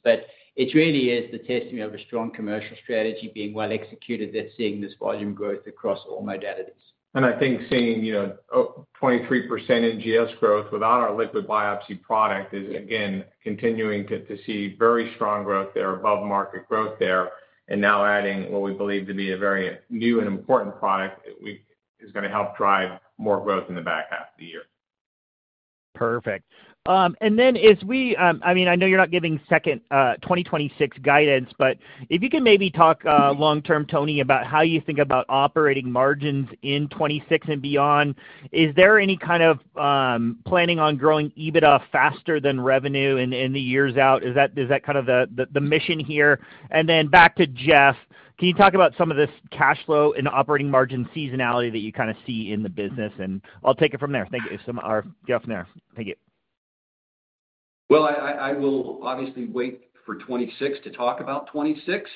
It really is the testing of a strong commercial strategy being well executed that's seeing this volume growth across all modalities. I think seeing 23% NGS growth without our liquid biopsy product is, again, continuing to see very strong growth there, above market growth there. Now adding what we believe to be a very new and important product is going to help drive more growth in the back half of the year. Perfect. As we, I mean, I know you're not giving 2026 guidance, but if you can maybe talk long-term, Tony, about how you think about operating margins in 2026 and beyond, is there any kind of planning on growing EBITDA faster than revenue in the years out? Is that kind of the mission here? Back to Jeff, can you talk about some of this cash flow and operating margin seasonality that you kind of see in the business? I'll take it from there. Thank you. I will obviously wait for 2026 to talk about 2026,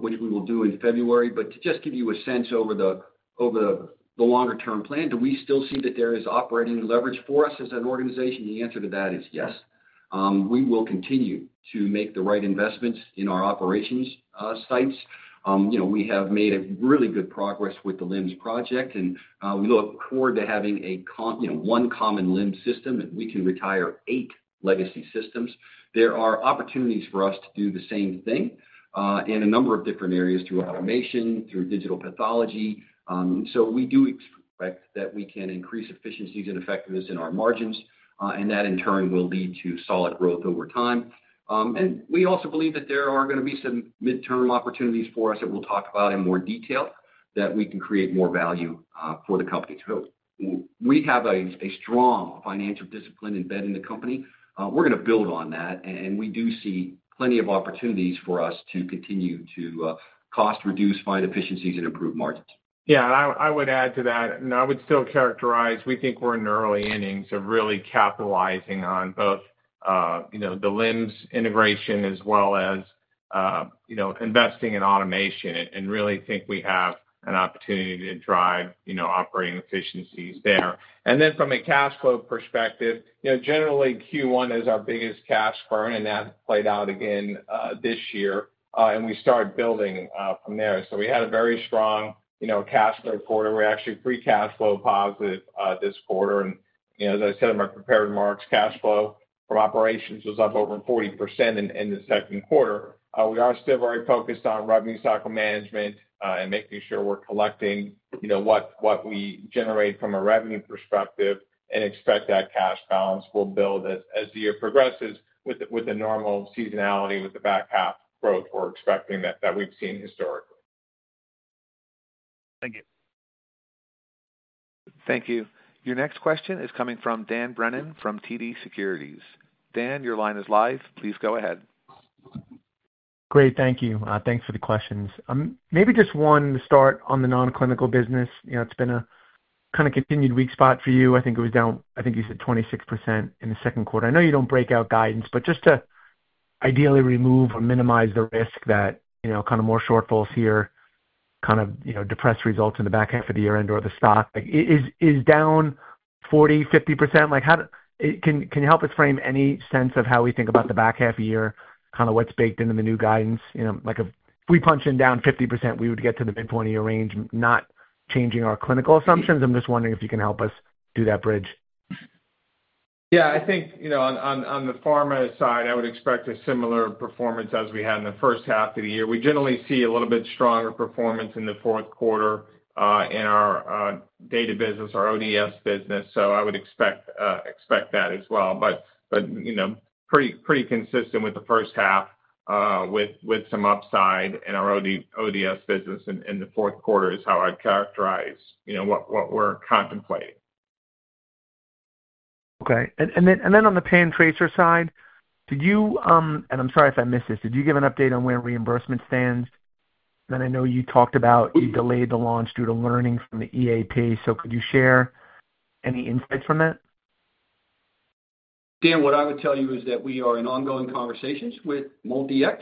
which we will do in February. To just give you a sense over the longer-term plan, do we still see that there is operating leverage for us as an organization? The answer to that is yes. We will continue to make the right investments in our operations sites. You know, we have made really good progress with the LIMS project, and we look forward to having a, you know, one common LIMS system and we can retire eight legacy systems. There are opportunities for us to do the same thing in a number of different areas through automation, through digital pathology. We do expect that we can increase efficiencies and effectiveness in our margins, and that in turn will lead to solid growth over time. We also believe that there are going to be some midterm opportunities for us that we'll talk about in more detail that we can create more value for the company too. We have a strong financial discipline embedded in the company. We're going to build on that, and we do see plenty of opportunities for us to continue to cost reduce, find efficiencies, and improve margins. Yeah, I would add to that, I would still characterize, we think we're in the early innings of really capitalizing on both the LIMS integration as well as investing in automation and really think we have an opportunity to drive operating efficiencies there. From a cash flow perspective, generally Q1 is our biggest cash burn, and that played out again this year, and we started building from there. We had a very strong cash flow quarter. We're actually pre-cash flow positive this quarter. As I said in my prepared remarks, cash flow from operations was up over 40% in the second quarter. We are still very focused on revenue cycle management and making sure we're collecting what we generate from a revenue perspective and expect that cash balance will build as the year progresses with the normal seasonality with the back half growth we're expecting that we've seen historically. Thank you. Thank you. Your next question is coming from Dan Brennan from TD Securities. Dan, your line is live. Please go ahead. Great, thank you. Thanks for the questions. Maybe just one to start on the non-clinical business. You know, it's been a kind of continued weak spot for you. I think it was down, I think you said 26% in the second quarter. I know you don't break out guidance, but just to ideally remove or minimize the risk that, you know, kind of more shortfalls here, kind of, you know, depress results in the back half of the year and/or the stock. Like, is down 40%, 50%? Like, how can you help us frame any sense of how we think about the back half of the year, kind of what's baked into the new guidance? You know, like if we punch in down 50%, we would get to the midpoint of your range, not changing our clinical assumptions. I'm just wondering if you can help us do that bridge. Yeah, I think on the pharma side, I would expect a similar performance as we had in the first half of the year. We generally see a little bit stronger performance in the fourth quarter in our data business, our ODS business. I would expect that as well. Pretty consistent with the first half, with some upside in our ODS business in the fourth quarter is how I'd characterize what we're contemplating. Okay. On the PanTracer side, did you, and I'm sorry if I missed this, did you give an update on where reimbursement stands? I know you talked about you delayed the launch due to learnings from the early access program. Could you share any insights from that? Dan, what I would tell you is that we are in ongoing conversations with MolDX,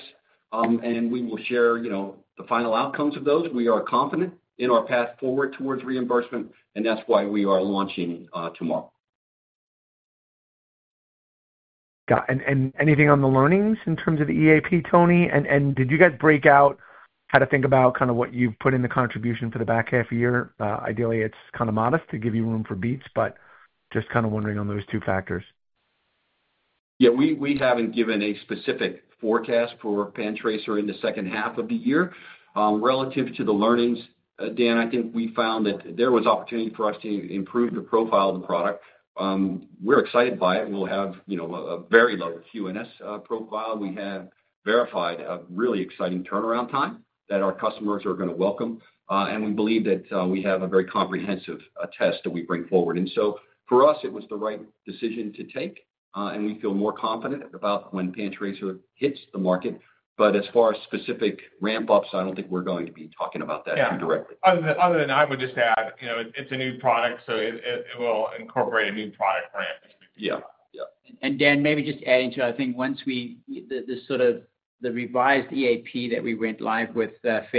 and we will share the final outcomes of those. We are confident in our path forward towards reimbursement, and that's why we are launching tomorrow. Got it. Anything on the learnings in terms of the early access program, Tony? Did you guys break out how to think about kind of what you've put in the contribution for the back half of the year? Ideally, it's kind of modest to give you room for beats, just kind of wondering on those two factors. Yeah, we haven't given a specific forecast for PanTracer in the second half of the year. Relative to the learnings, Dan, I think we found that there was opportunity for us to improve the profile of the product. We're excited by it. We'll have, you know, a very low QNS profile. We have verified a really exciting turnaround time that our customers are going to welcome, and we believe that we have a very comprehensive test that we bring forward. For us, it was the right decision to take, and we feel more confident about when PanTracer hits the market. As far as specific ramp-ups, I don't think we're going to be talking about that too directly. Other than I would just add, you know, it's a new product, so it will incorporate a new product plan. Yeah. Dan, maybe just adding to that, I think once we had this sort of the revised early access program that we went live with Fed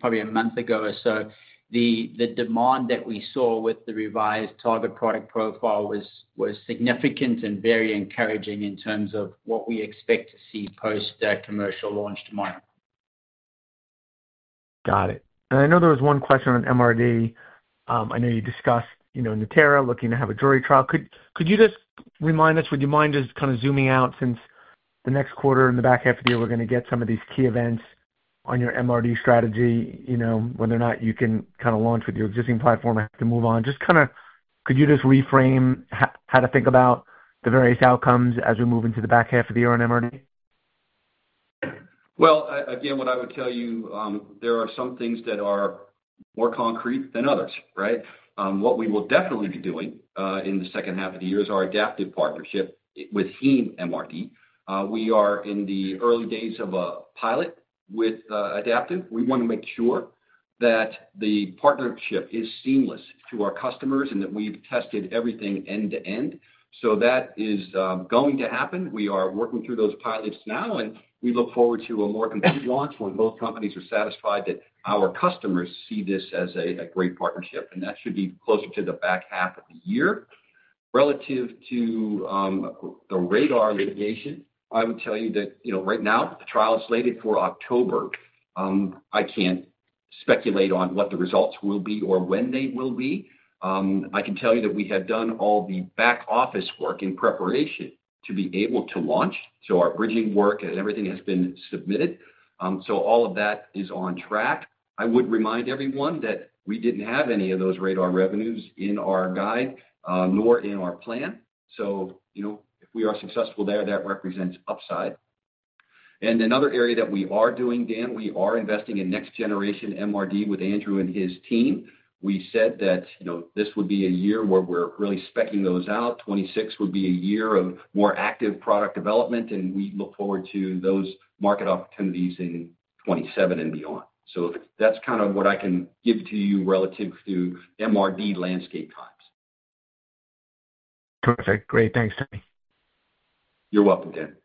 probably a month ago or so, the demand that we saw with the revised target product profile was significant and very encouraging in terms of what we expect to see post-commercial launch tomorrow. Got it. I know there was one question on MRD. I know you discussed, you know, Natera looking to have a jury trial. Could you just remind us, would you mind just kind of zooming out since the next quarter in the back half of the year, we're going to get some of these key events on your MRD strategy, you know, whether or not you can kind of launch with your existing platform or have to move on. Could you just reframe how to think about the various outcomes as we move into the back half of the year on MRD? What I would tell you, there are some things that are more concrete than others, right? What we will definitely be doing in the second half of the year is our Adaptive partnership with MRD. We are in the early days of a pilot with Adaptive. We want to make sure that the partnership is seamless to our customers and that we've tested everything end-to-end. That is going to happen. We are working through those pilots now, and we look forward to a more complete launch when both companies are satisfied that our customers see this as a great partnership. That should be closer to the back half of the year. Relative to the RaDaR litigation, I would tell you that, right now, the trial is slated for October. I can't speculate on what the results will be or when they will be. I can tell you that we have done all the back-office work in preparation to be able to launch. Our bridging work and everything has been submitted. All of that is on track. I would remind everyone that we didn't have any of those RaDaR revenues in our guide, nor in our plan. If we are successful there, that represents upside. Another area that we are doing, Dan, we are investing in Next-Generation MRD with Andrew and his team. We said that this would be a year where we're really specking those out. 2026 would be a year of more active product development, and we look forward to those market opportunities in 2027 and beyond. That is what I can give to you relative to MRD landscape times. Perfect. Great. Thanks, Tony. You're welcome, Dan.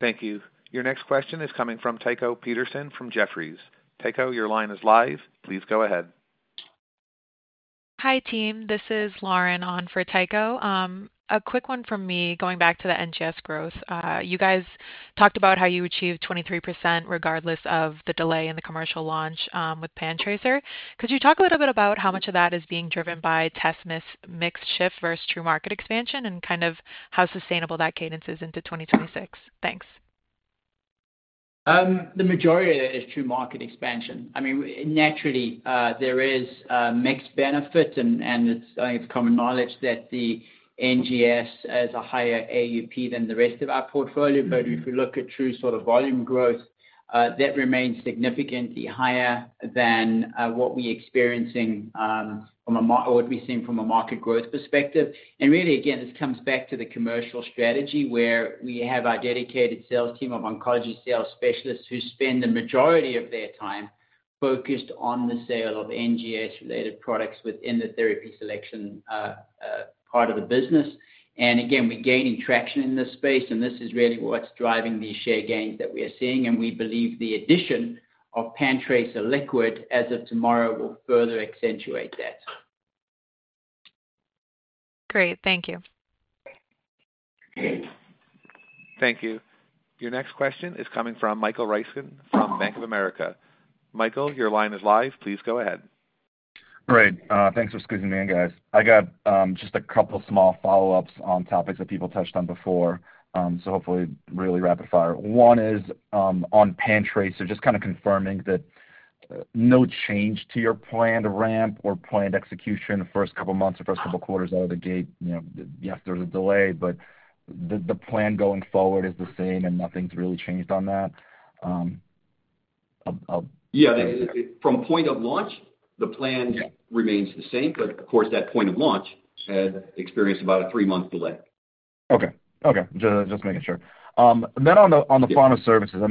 Thank you. Your next question is coming from Tycho Peterson from Jefferies. Tycho, your line is live. Please go ahead. Hi, team. This is Lauren on for Tycho. A quick one from me, going back to the NGS growth. You guys talked about how you achieved 23% regardless of the delay in the commercial launch with PanTracer. Could you talk a little bit about how much of that is being driven by test mix shift versus true market expansion, and kind of how sustainable that cadence is into 2026? Thanks. The majority of that is true market expansion. I mean, naturally, there is mixed benefits, and it's only of common knowledge that the NGS has a higher AUP than the rest of our portfolio. If we look at true sort of volume growth, that remains significantly higher than what we're experiencing from a market, or what we're seeing from a market growth perspective. This comes back to the commercial strategy where we have our dedicated sales team of Oncology Sales Specialists who spend the majority of their time focused on the sale of NGS-related products within the therapy selection part of the business. We're gaining traction in this space, and this is really what's driving the share gains that we are seeing. We believe the addition of PanTracer liquid as of tomorrow will further accentuate that. Great. Thank you. Thank you. Your next question is coming from Michael Ryskin from Bank of America. Michael, your line is live. Please go ahead. All right. Thanks for scooping me in, guys. I got just a couple small follow-ups on topics that people touched on before, so hopefully really rapid fire. One is on PanTracer, just kind of confirming that no change to your planned ramp or planned execution the first couple months or first couple quarters out of the gate. Yes, there's a delay, but the plan going forward is the same and nothing's really changed on that. Yeah, from point of launch, the plan remains the same, but of course, that point of launch had experienced about a three-month delay. Okay. Just making sure. On the pharma services,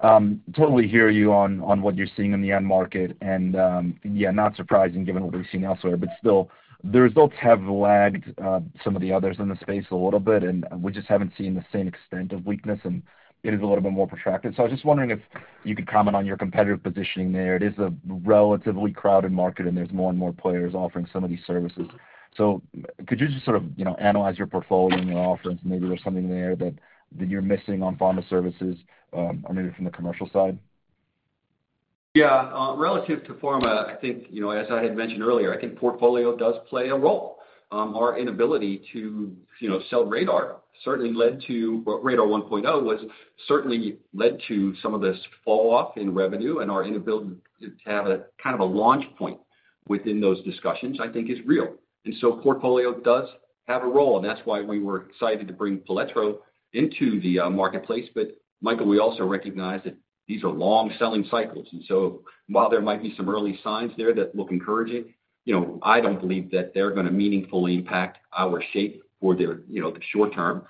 I totally hear you on what you're seeing in the end market. Not surprising given what we've seen elsewhere, but still, the results have lagged some of the others in the space a little bit, and we just haven't seen the same extent of weakness. It is a little bit more protracted. I was just wondering if you could comment on your competitive positioning there. It is a relatively crowded market, and there's more and more players offering some of these services. Could you just sort of analyze your portfolio and your offerings? Maybe there's something there that you're missing on pharma services or maybe from the commercial side? Yeah, relative to pharma, I think, as I had mentioned earlier, I think portfolio does play a role. Our inability to sell RaDaR certainly led to what RaDaR 1.0. was, certainly led to some of this falloff in revenue, and our inability to have a kind of a launch point within those discussions, I think, is real. Portfolio does have a role, and that's why we were excited to bring Paletrra into the marketplace. Michael, we also recognize that these are long selling cycles. While there might be some early signs there that look encouraging, I don't believe that they're going to meaningfully impact our shape for the short term.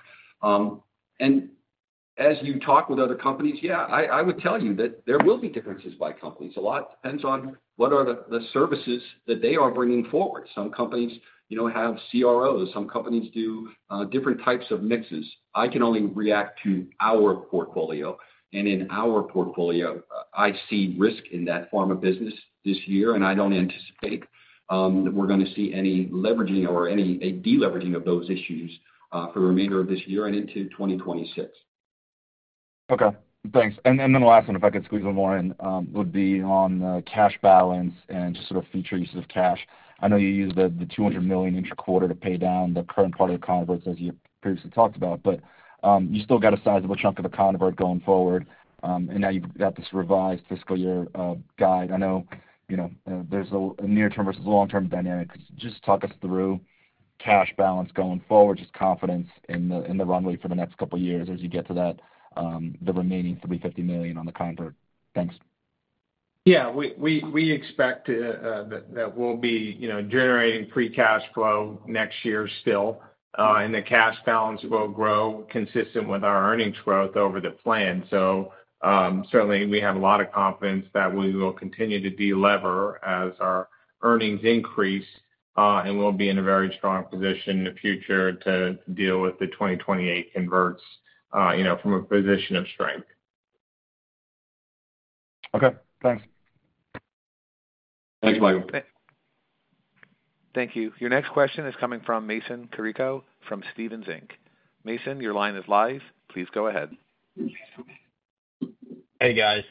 As you talk with other companies, I would tell you that there will be differences by companies. A lot depends on what are the services that they are bringing forward. Some companies have CROs. Some companies do different types of mixes. I can only react to our portfolio. In our portfolio, I've seen risk in that pharma business this year, and I don't anticipate that we're going to see any leveraging or any deleveraging of those issues for the remainder of this year and into 2026. Okay. Thanks. The last one, if I could squeeze one more in, would be on the cash balance and just sort of future uses of cash. I know you used the $200 million interquarter to pay down the current part of the convert, as you previously talked about, but you still got a sizable chunk of the convert going forward. Now you've got this revised fiscal year guide. I know there's a near-term versus long-term dynamic. Just talk us through cash balance going forward, just confidence in the runway for the next couple of years as you get to that, the remaining $350 million on the convert. Thanks. We expect that we'll be generating free cash flow next year still, and the cash balance will grow consistent with our earnings growth over the plan. Certainly, we have a lot of confidence that we will continue to delever as our earnings increase, and we'll be in a very strong position in the future to deal with the 2028 convertible notes from a position of strength. Okay. Thanks. Thanks, Michael. Thank you. Your next question is coming from Mason Carrico from Stephens Inc. Mason, your line is live. Please go ahead. Hey, guys.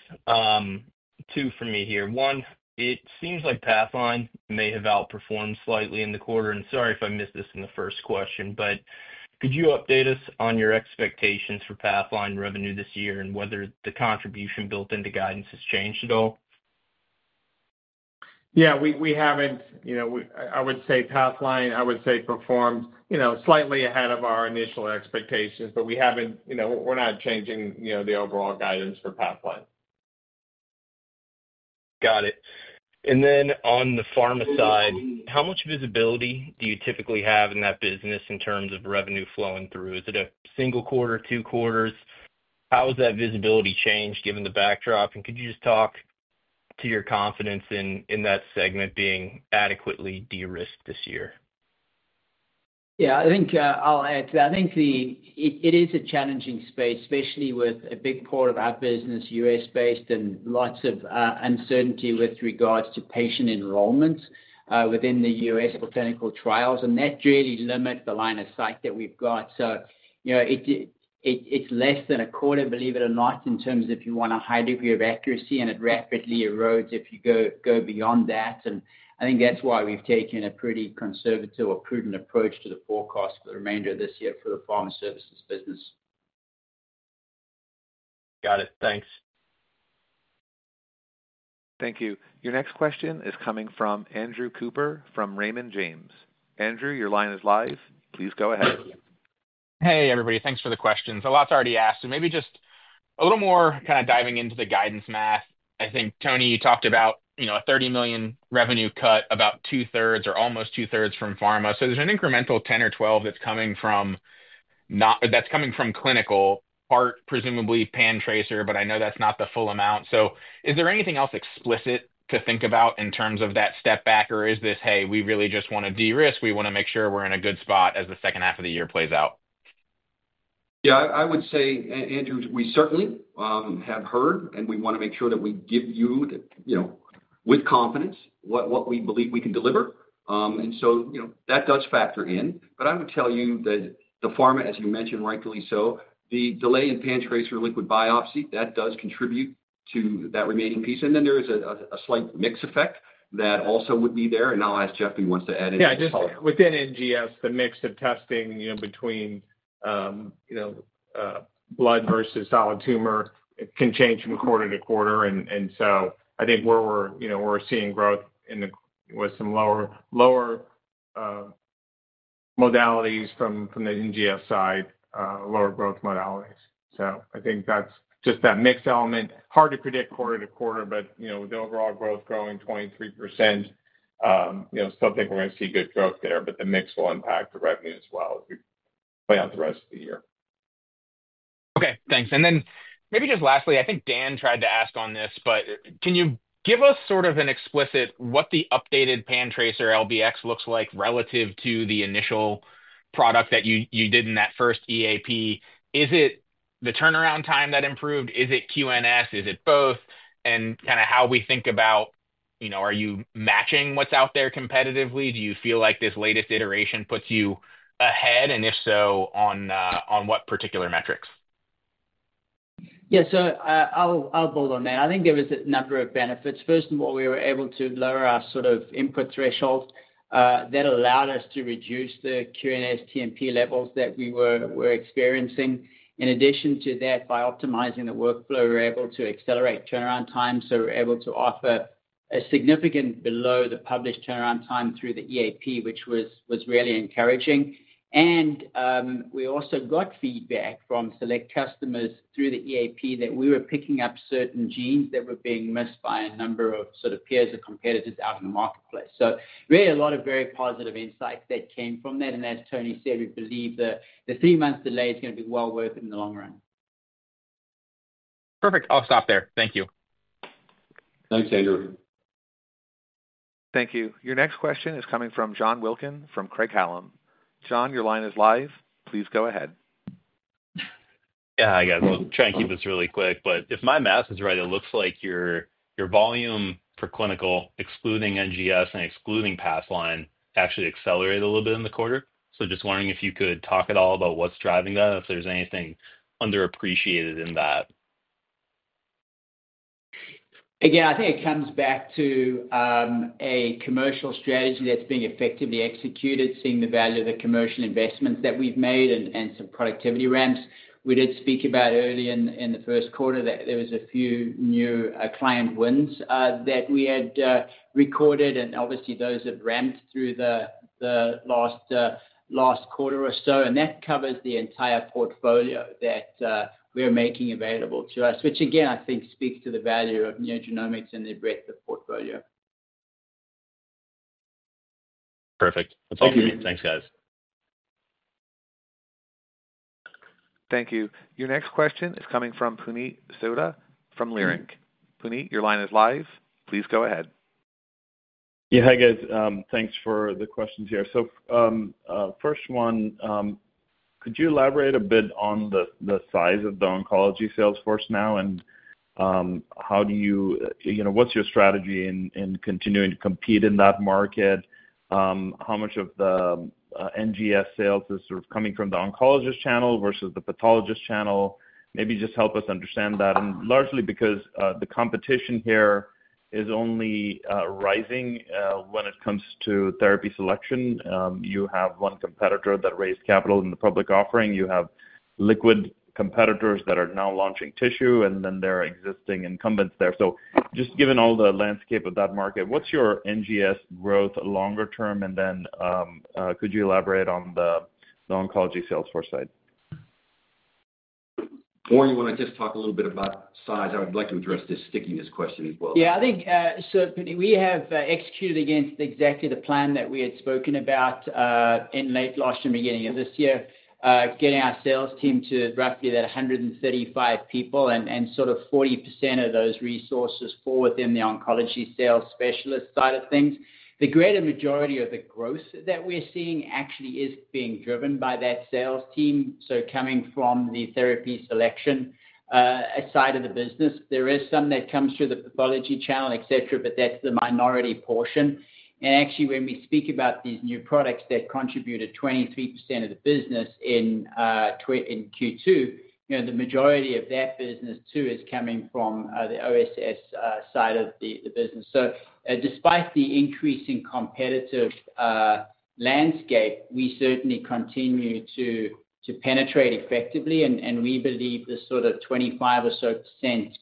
Two from me here. One, it seems like Pathline may have outperformed slightly in the quarter, and sorry if I missed this in the first question, but could you update us on your expectations for Pathline revenue this year and whether the contribution built into guidance has changed at all? Yeah, I would say Pathline performed slightly ahead of our initial expectations, but we're not changing the overall guidance for Pathline. Got it. On the pharma side, how much visibility do you typically have in that business in terms of revenue flowing through? Is it a single quarter or two quarters? How has that visibility changed given the backdrop? Could you talk to your confidence in that segment being adequately de-risked this year? Yeah, I think I'll add to that. I think it is a challenging space, especially with a big part of our business U.S.-based and lots of uncertainty with regards to patient enrollment within the U.S. botanical trials. That really limits the line of sight that we've got. It's less than a quarter, believe it or not, in terms of if you want a high degree of accuracy, and it rapidly erodes if you go beyond that. I think that's why we've taken a pretty conservative or prudent approach to the forecast for the remainder of this year for the pharma services business. Got it. Thanks. Thank you. Your next question is coming from Andrew Cooper from Raymond James. Andrew, your line is live. Please go ahead. Hey, everybody. Thanks for the questions. A lot's already asked, and maybe just a little more kind of diving into the guidance math. I think Tony talked about, you know, a $30 million revenue cut, about two-thirds or almost two-thirds from pharma. There's an incremental $10 million or $12 million that's coming from clinical, part presumably PanTracer, but I know that's not the full amount. Is there anything else explicit to think about in terms of that step back, or is this, hey, we really just want to de-risk, we want to make sure we're in a good spot as the second half of the year plays out? I would say, Andrew, we certainly have heard, and we want to make sure that we give you, you know, with confidence, what we believe we can deliver. That does factor in. I would tell you that the pharma, as you mentioned, rightfully so, the delay in PanTracer Liquid Biopsy, that does contribute to that remaining piece. There is a slight mix effect that also would be there. I'll ask Jeff if he wants to add anything to follow up. Yeah, just within NGS, the mix of testing between blood versus solid tumor can change from quarter to quarter. I think we're seeing growth with some lower modalities from the NGS side, lower growth modalities. I think that's just that mix element. Hard to predict quarter to quarter, but with the overall growth growing 23%, still think we're going to see good growth there, but the mix will impact the revenue as well if you play out the rest of the year. Okay, thanks. Maybe just lastly, I think Dan tried to ask on this, but can you give us sort of an explicit what the updated PanTracer LBx looks like relative to the initial product that you did in that first EAP? Is it the turnaround time that improved? Is it QNS? Is it both? How do we think about, you know, are you matching what's out there competitively? Do you feel like this latest iteration puts you ahead? If so, on what particular metrics? I'll build on that. I think there was a number of benefits. First of all, we were able to lower our sort of input threshold that allowed us to reduce the QNS TMB levels that we were experiencing. In addition to that, by optimizing the workflow, we were able to accelerate turnaround time. We were able to offer a significantly below the published turnaround time through the EAP, which was really encouraging. We also got feedback from select customers through the EAPthat we were picking up certain genes that were being missed by a number of sort of peers and competitors out in the marketplace. Really, a lot of very positive insights that came from that. As Tony said, we believe that the three-month delay is going to be well worth it in the long run. Perfect. I'll stop there. Thank you. Thanks, Andrew. Thank you. Your next question is coming from John Wilkin from Craig Hallum. John, your line is live. Please go ahead. I guess we'll try and keep this really quick, but if my math is right, it looks like your volume per clinical, excluding NGS and excluding Pathline, actually accelerated a little bit in the quarter. Just wondering if you could talk at all about what's driving that, if there's anything underappreciated in that. Again, I think it comes back to a commercial strategy that's being effectively executed, seeing the value of the commercial investments that we've made and some productivity ramps. We did speak about early in the first quarter that there were a few new client wins that we had recorded, obviously those have ramped through the last quarter or so. That covers the entire portfolio that we're making available to us, which again, I think speaks to the value of NeoGenomics and the breadth of the portfolio. Perfect. Thank you. Thanks, guys. Thank you. Your next question is coming from Puneet Souda from Leerink. Puneet, your line is live. Please go ahead. Yeah, hey guys, thanks for the questions here. First one, could you elaborate a bit on the size of the oncology salesforce now and how do you, you know, what's your strategy in continuing to compete in that market? How much of the NGS sales is sort of coming from the oncologist channel versus the pathologist channel? Maybe just help us understand that. Largely because the competition here is only rising when it comes to therapy selection. You have one competitor that raised capital in the public offering. You have liquid competitors that are now launching tissue, and then there are existing incumbents there. Just given all the landscape of that market, what's your NGS growth longer term? Could you elaborate on the oncology salesforce side? Do you want to just talk a little bit about size? I would like to address this stickiness question as well. Yeah, I think so. We have executed against exactly the plan that we had spoken about in late last year and beginning of this year, getting our sales team to roughly that 135 people, and sort of 40% of those resources fall within the oncology sales specialist side of things. The greater majority of the growth that we're seeing actually is being driven by that sales team, coming from the therapy selection side of the business. There is some that comes through the pathology channel, et cetera, but that's the minority portion. Actually, when we think About these new products that contributed 23% of the business in Q2. The majority of that business too is coming from the OSS side of the business. Despite the increase in competitive landscape, we certainly continue to penetrate effectively, and we believe the sort of 25% or so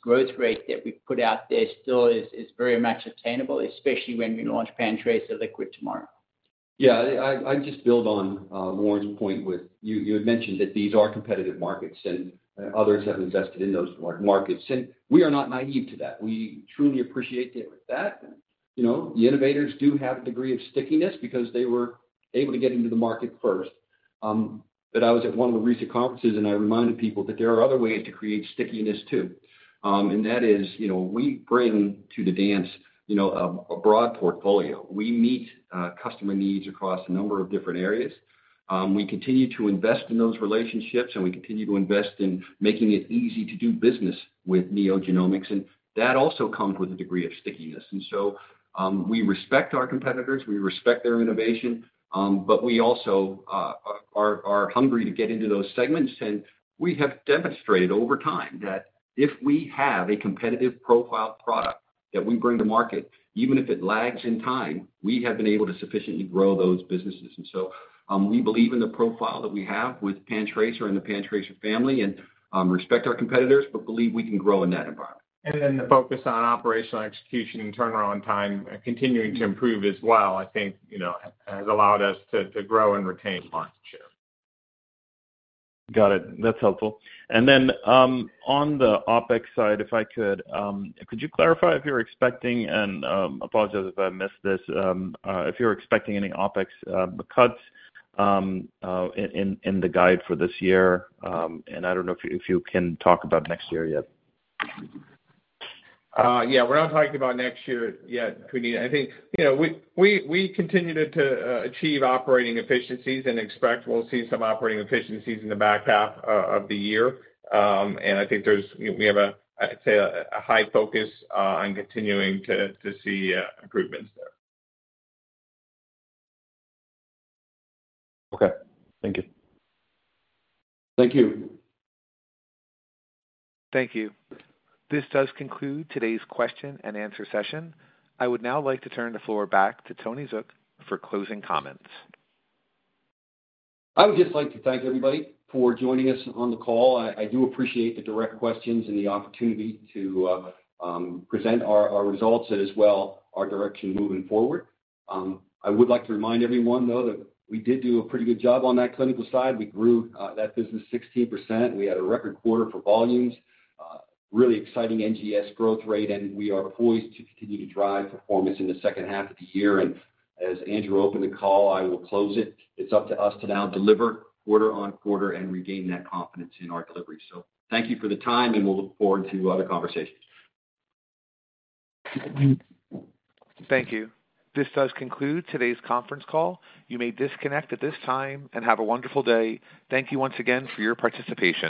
growth rate that we put out there still is very much attainable, especially when we launch PanTracer Liquid tomorrow. Yeah, I'd just build on Warren's point with you. You had mentioned that these are competitive markets, and others have invested in those markets. We are not naive to that. We truly appreciate that the innovators do have a degree of stickiness because they were able to get into the market first. I was at one of the recent conferences, and I reminded people that there are other ways to create stickiness too. That is, we bring to the dance a broad portfolio. We meet customer needs across a number of different areas. We continue to invest in those relationships, and we continue to invest in making it easy to do business with NeoGenomics. That also comes with a degree of stickiness. We respect our competitors, we respect their innovation, but we also are hungry to get into those segments. We have demonstrated over time that if we have a competitive profile product that we bring to market, even if it lags in time, we have been able to sufficiently grow those businesses. We believe in the profile that we have with PanTracer and the PanTracer family and respect our competitors, but believe we can grow in that environment. The focus on operational execution and turnaround time continuing to improve as well, I think, has allowed us to grow and retain clients too. Got it. That's helpful. On the OpEx side, if I could, could you clarify if you're expecting, and apologize if I missed this, if you're expecting any OpEx cuts in the guide for this year? I don't know if you can talk about next year yet. Yeah, we're not talking about next year yet, Puneet. I think we continue to achieve operating efficiencies and expect we'll see some operating efficiencies in the back half of the year. I think there's a high focus on continuing to see improvements there. Okay, thank you. Thank you. Thank you. This does conclude today's question and answer session. I would now like to turn the floor back to Tony Zook for closing comments. I would just like to thank everybody for joining us on the call. I do appreciate the direct questions and the opportunity to present our results and as well our direction moving forward. I would like to remind everyone, though, that we did do a pretty good job on that clinical side. We grew that business 16%. We had a record quarter for volumes, really exciting NGS growth rate, and we are poised to continue to drive performance in the second half of the year. As Andrew opened the call, I will close it. It's up to us to now deliver quarter on quarter and regain that confidence in our delivery. Thank you for the time, and we'll look forward to other conversations. Thank you. This does conclude today's conference call. You may disconnect at this time and have a wonderful day. Thank you once again for your participation.